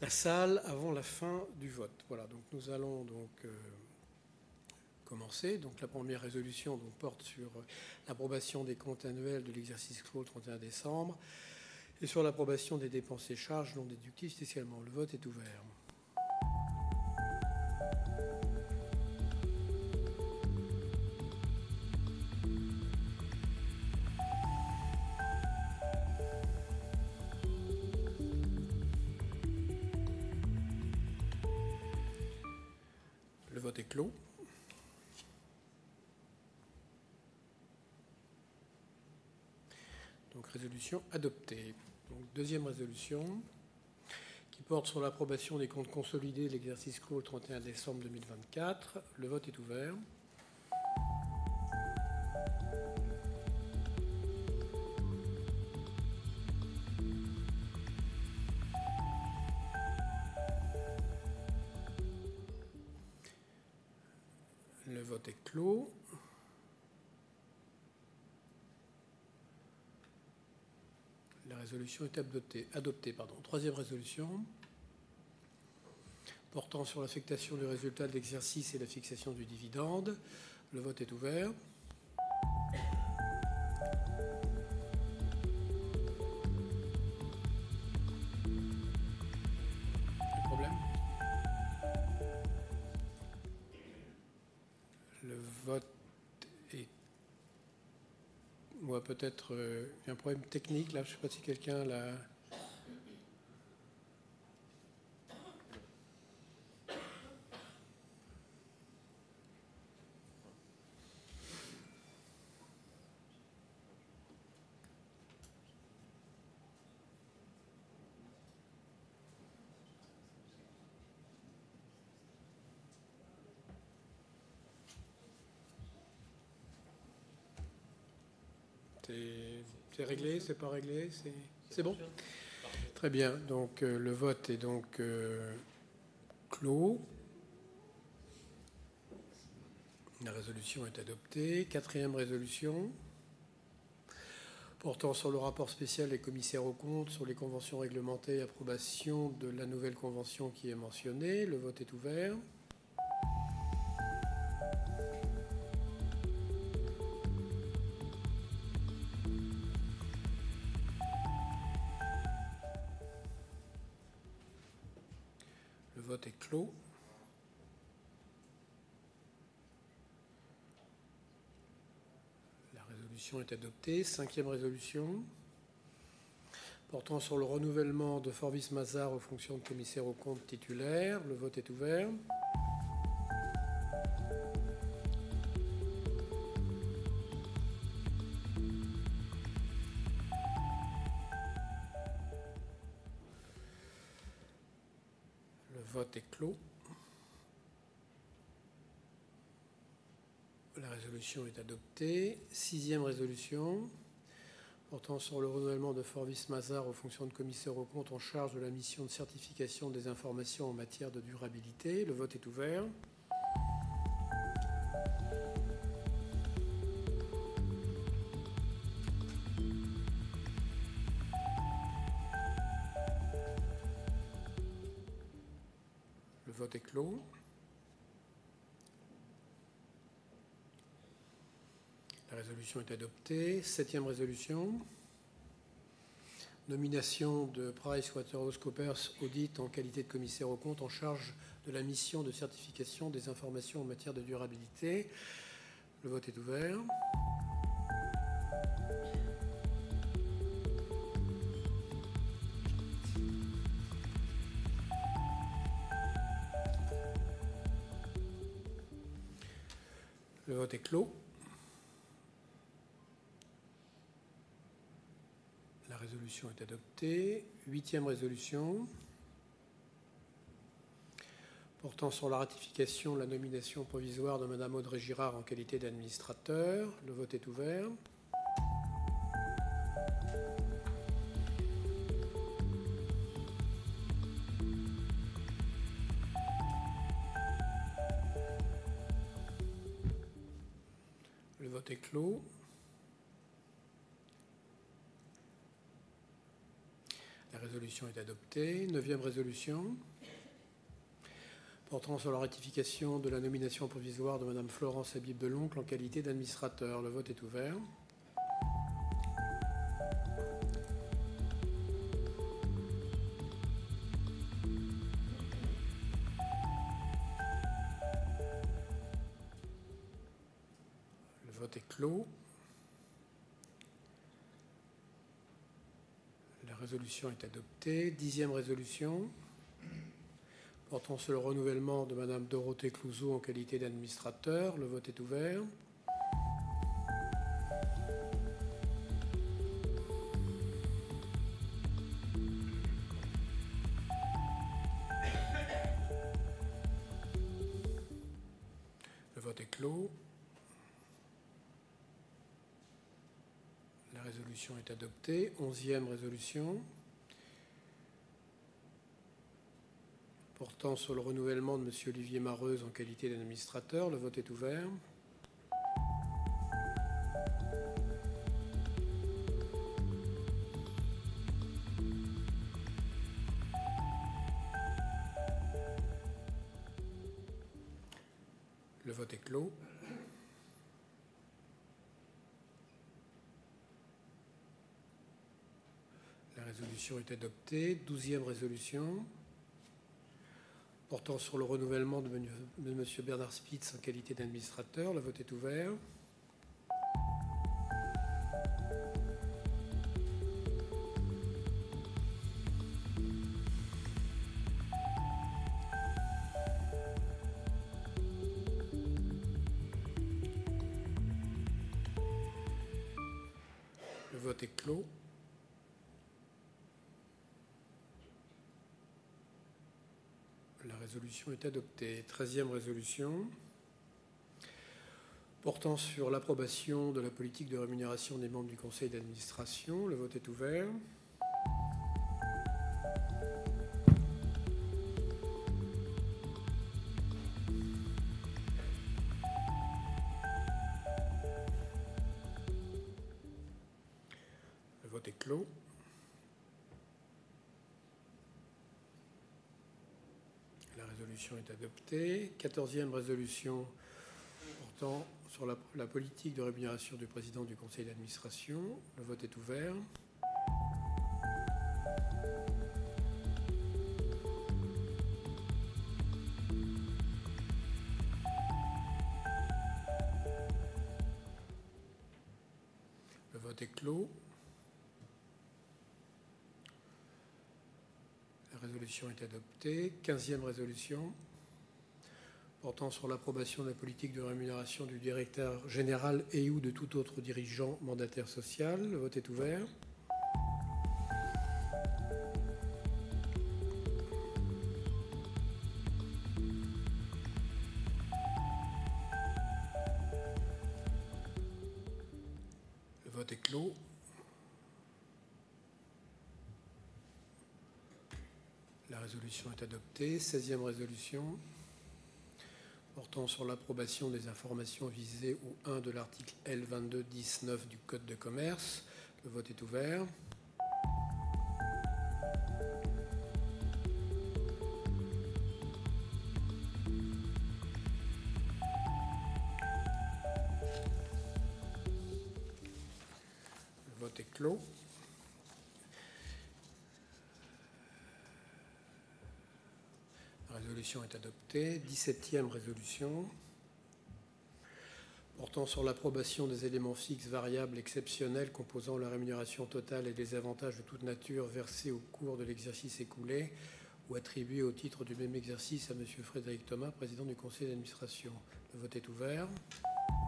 la salle avant la fin du vote. Voilà, donc nous allons commencer. La première résolution porte sur l'approbation des comptes annuels de l'exercice clos le 31 décembre et sur l'approbation des dépenses et charges non déductibles. Le vote est ouvert. Le vote est clos. Résolution adoptée. Deuxième résolution qui porte sur l'approbation des comptes consolidés de l'exercice clos le 31 décembre 2024. Le vote est ouvert. Le vote est clos. La résolution est adoptée. Troisième résolution portant sur l'affectation du résultat de l'exercice et la fixation du dividende. Le vote est ouvert. Le vote est clos. Il y a un problème technique là, je ne sais pas si quelqu'un l'a... C'est réglé? Ce n'est pas réglé? C'est bon? Parfait. Très bien. Donc, le vote est donc clos. La résolution est adoptée. Quatrième résolution portant sur le rapport spécial des Commissaires aux Comptes sur les conventions réglementées et approbation de la nouvelle convention qui est mentionnée. Le vote est ouvert. Le vote est clos. La résolution est adoptée. Cinquième résolution portant sur le renouvellement de Forbis Mazard aux fonctions de Commissaire aux Comptes titulaires. Le vote est ouvert. Le vote est clos. La résolution est adoptée. Sixième résolution portant sur le renouvellement de Forbis Mazard aux fonctions de Commissaire aux Comptes en charge de la mission de certification des informations en matière de durabilité. Le vote est ouvert. Le vote est clos. La résolution est adoptée. Septième résolution: nomination de PricewaterhouseCoopers Audit en qualité de commissaire aux comptes en charge de la mission de certification des informations en matière de durabilité. Le vote est ouvert. Le vote est clos. La résolution est adoptée. Huitième résolution portant sur la ratification de la nomination provisoire de Madame Audrey Girard en qualité d'administrateur. Le vote est ouvert. Le vote est clos. La résolution est adoptée. Neuvième résolution portant sur la ratification de la nomination provisoire de Madame Florence Habib Deloncle en qualité d'administrateur. Le vote est ouvert. Le vote est clos. La résolution est adoptée. Dixième résolution portant sur le renouvellement de Madame Dorothée Clouzot en qualité d'administrateur. Le vote est ouvert. Le vote est clos. La résolution est adoptée. Onzième résolution portant sur le renouvellement de Monsieur Olivier Mareuze en qualité d'administrateur. Le vote est ouvert. Le vote est clos. La résolution est adoptée. Douzième résolution portant sur le renouvellement de Monsieur Bernard Spitz en qualité d'administrateur. Le vote est ouvert. Le vote est clos. La résolution est adoptée. Treizième résolution portant sur l'approbation de la politique de rémunération des membres du conseil d'administration. Le vote est ouvert. Le vote est clos. La résolution est adoptée. Quatorzième résolution portant sur la politique de rémunération du Président du conseil d'administration. Le vote est ouvert. Le vote est clos. La résolution est adoptée. Quinzième résolution portant sur l'approbation de la politique de rémunération du Directeur général et/ou de tout autre dirigeant mandataire social. Le vote est ouvert. Le vote est clos. La résolution est adoptée. Seizième résolution portant sur l'approbation des informations visées au 1 de l'article L22-19 du Code de commerce. Le vote est ouvert. Le vote est clos. La résolution est adoptée. Dix-septième résolution portant sur l'approbation des éléments fixes, variables, exceptionnels composant la rémunération totale et des avantages de toute nature versés au cours de l'exercice écoulé ou attribués au titre du même exercice à Monsieur Frédéric Thomas, Président du Conseil d'Administration. Le vote est ouvert. Le vote est clos.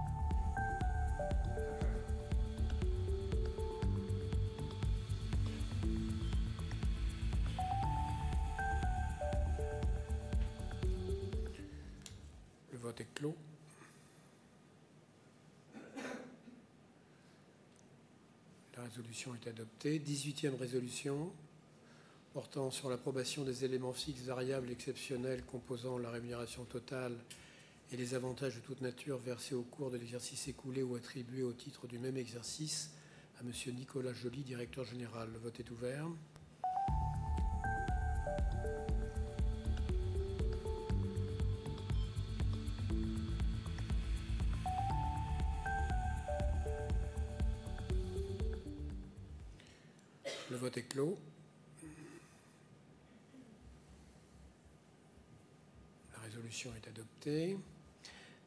La résolution est adoptée. Dix-huitième résolution portant sur l'approbation des éléments fixes, variables, exceptionnels composant la rémunération totale et des avantages de toute nature versés au cours de l'exercice écoulé ou attribués au titre du même exercice à Monsieur Nicolas Joly, Directeur Général. Le vote est ouvert. Le vote est clos. La résolution est adoptée.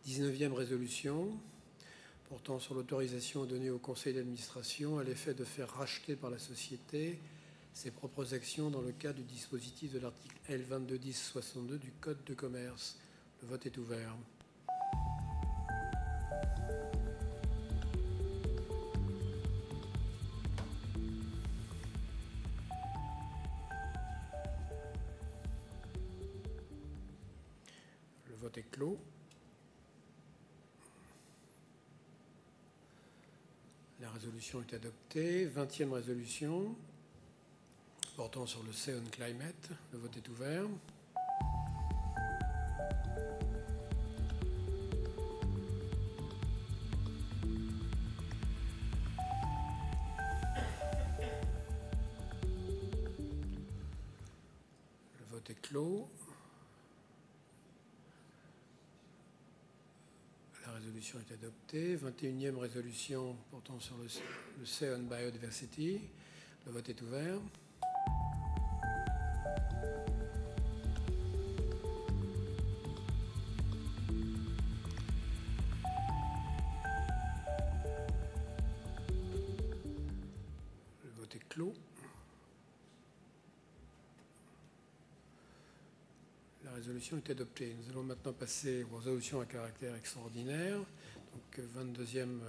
Dix-neuvième résolution portant sur l'autorisation donnée au Conseil d'Administration à l'effet de faire racheter par la société ses propres actions dans le cadre du dispositif de l'article L22-10-62 du Code de Commerce. Le vote est ouvert. Le vote est clos. La résolution est adoptée. Vingtième résolution portant sur le CEON Climate. Le vote est ouvert. Le vote est clos. La résolution est adoptée. Vingt-et-unième résolution portant sur le CEON Biodiversity. Le vote est ouvert. Le vote est clos. La résolution est adoptée. Nous allons maintenant passer aux résolutions à caractère extraordinaire. Vingt-deuxième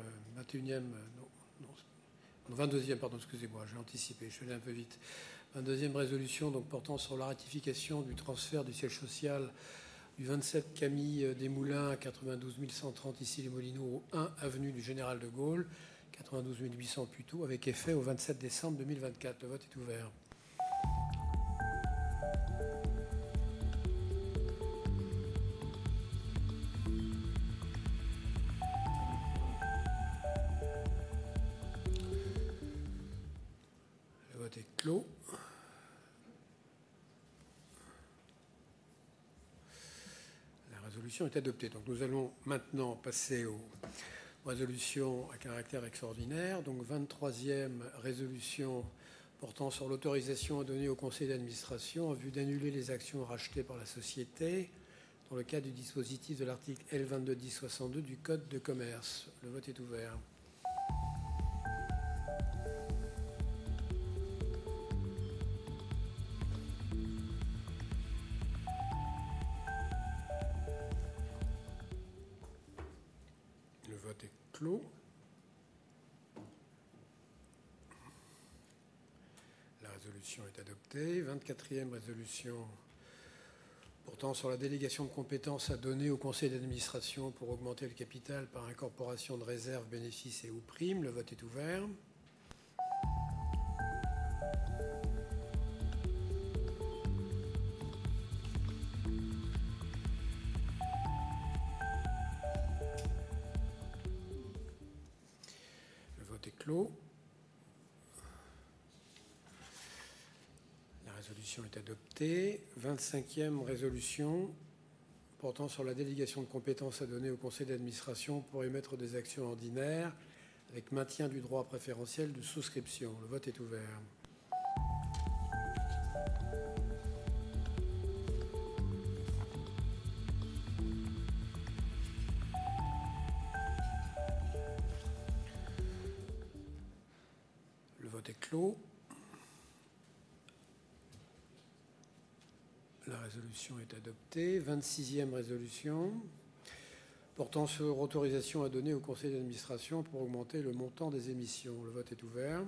résolution, pardon, excusez-moi, j'ai anticipé, je suis allé un peu vite. Vingt-deuxième résolution portant sur la ratification du transfert du siège social du 27 Camille Desmoulins à 92130 Issy-les-Moulineaux, 1 avenue du Général de Gaulle, 92800 Puteaux, avec effet au 27 décembre 2024. Le vote est ouvert. Le vote est clos. La résolution est adoptée. Nous allons maintenant passer aux résolutions à caractère extraordinaire. Vingt-troisième résolution portant sur l'autorisation donnée au conseil d'administration en vue d'annuler les actions rachetées par la société dans le cadre du dispositif de l'article L22-10-62 du code de commerce. Le vote est ouvert. Le vote est clos. La résolution est adoptée. Le vote est clos. La résolution est adoptée. Vingt-sixième résolution portant sur l'autorisation à donner au Conseil d'Administration pour augmenter le montant des émissions. Le vote est ouvert.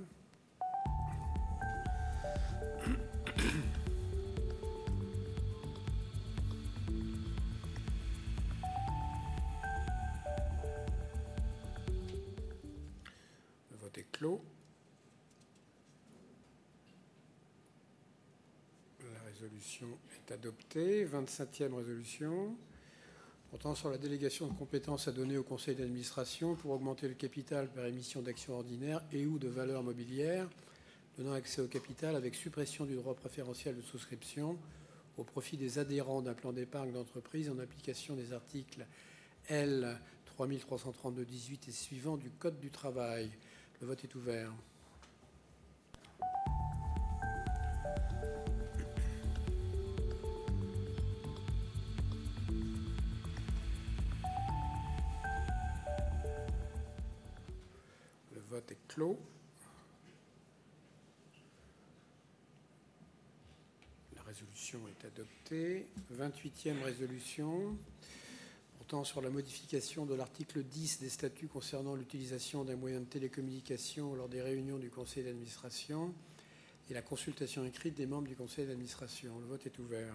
Le vote est clos. La résolution est adoptée. Vingt-septième résolution portant sur la délégation de compétences à donner au conseil d'administration pour augmenter le capital par émission d'actions ordinaires et/ou de valeurs mobilières donnant accès au capital avec suppression du droit préférentiel de souscription au profit des adhérents d'un plan d'épargne d'entreprise en application des articles L3332-18 et suivants du code du travail. Le vote est ouvert. Le vote est clos. La résolution est adoptée. Vingt-huitième résolution portant sur la modification de l'article 10 des statuts concernant l'utilisation des moyens de télécommunication lors des réunions du conseil d'administration et la consultation écrite des membres du conseil d'administration. Le vote est ouvert.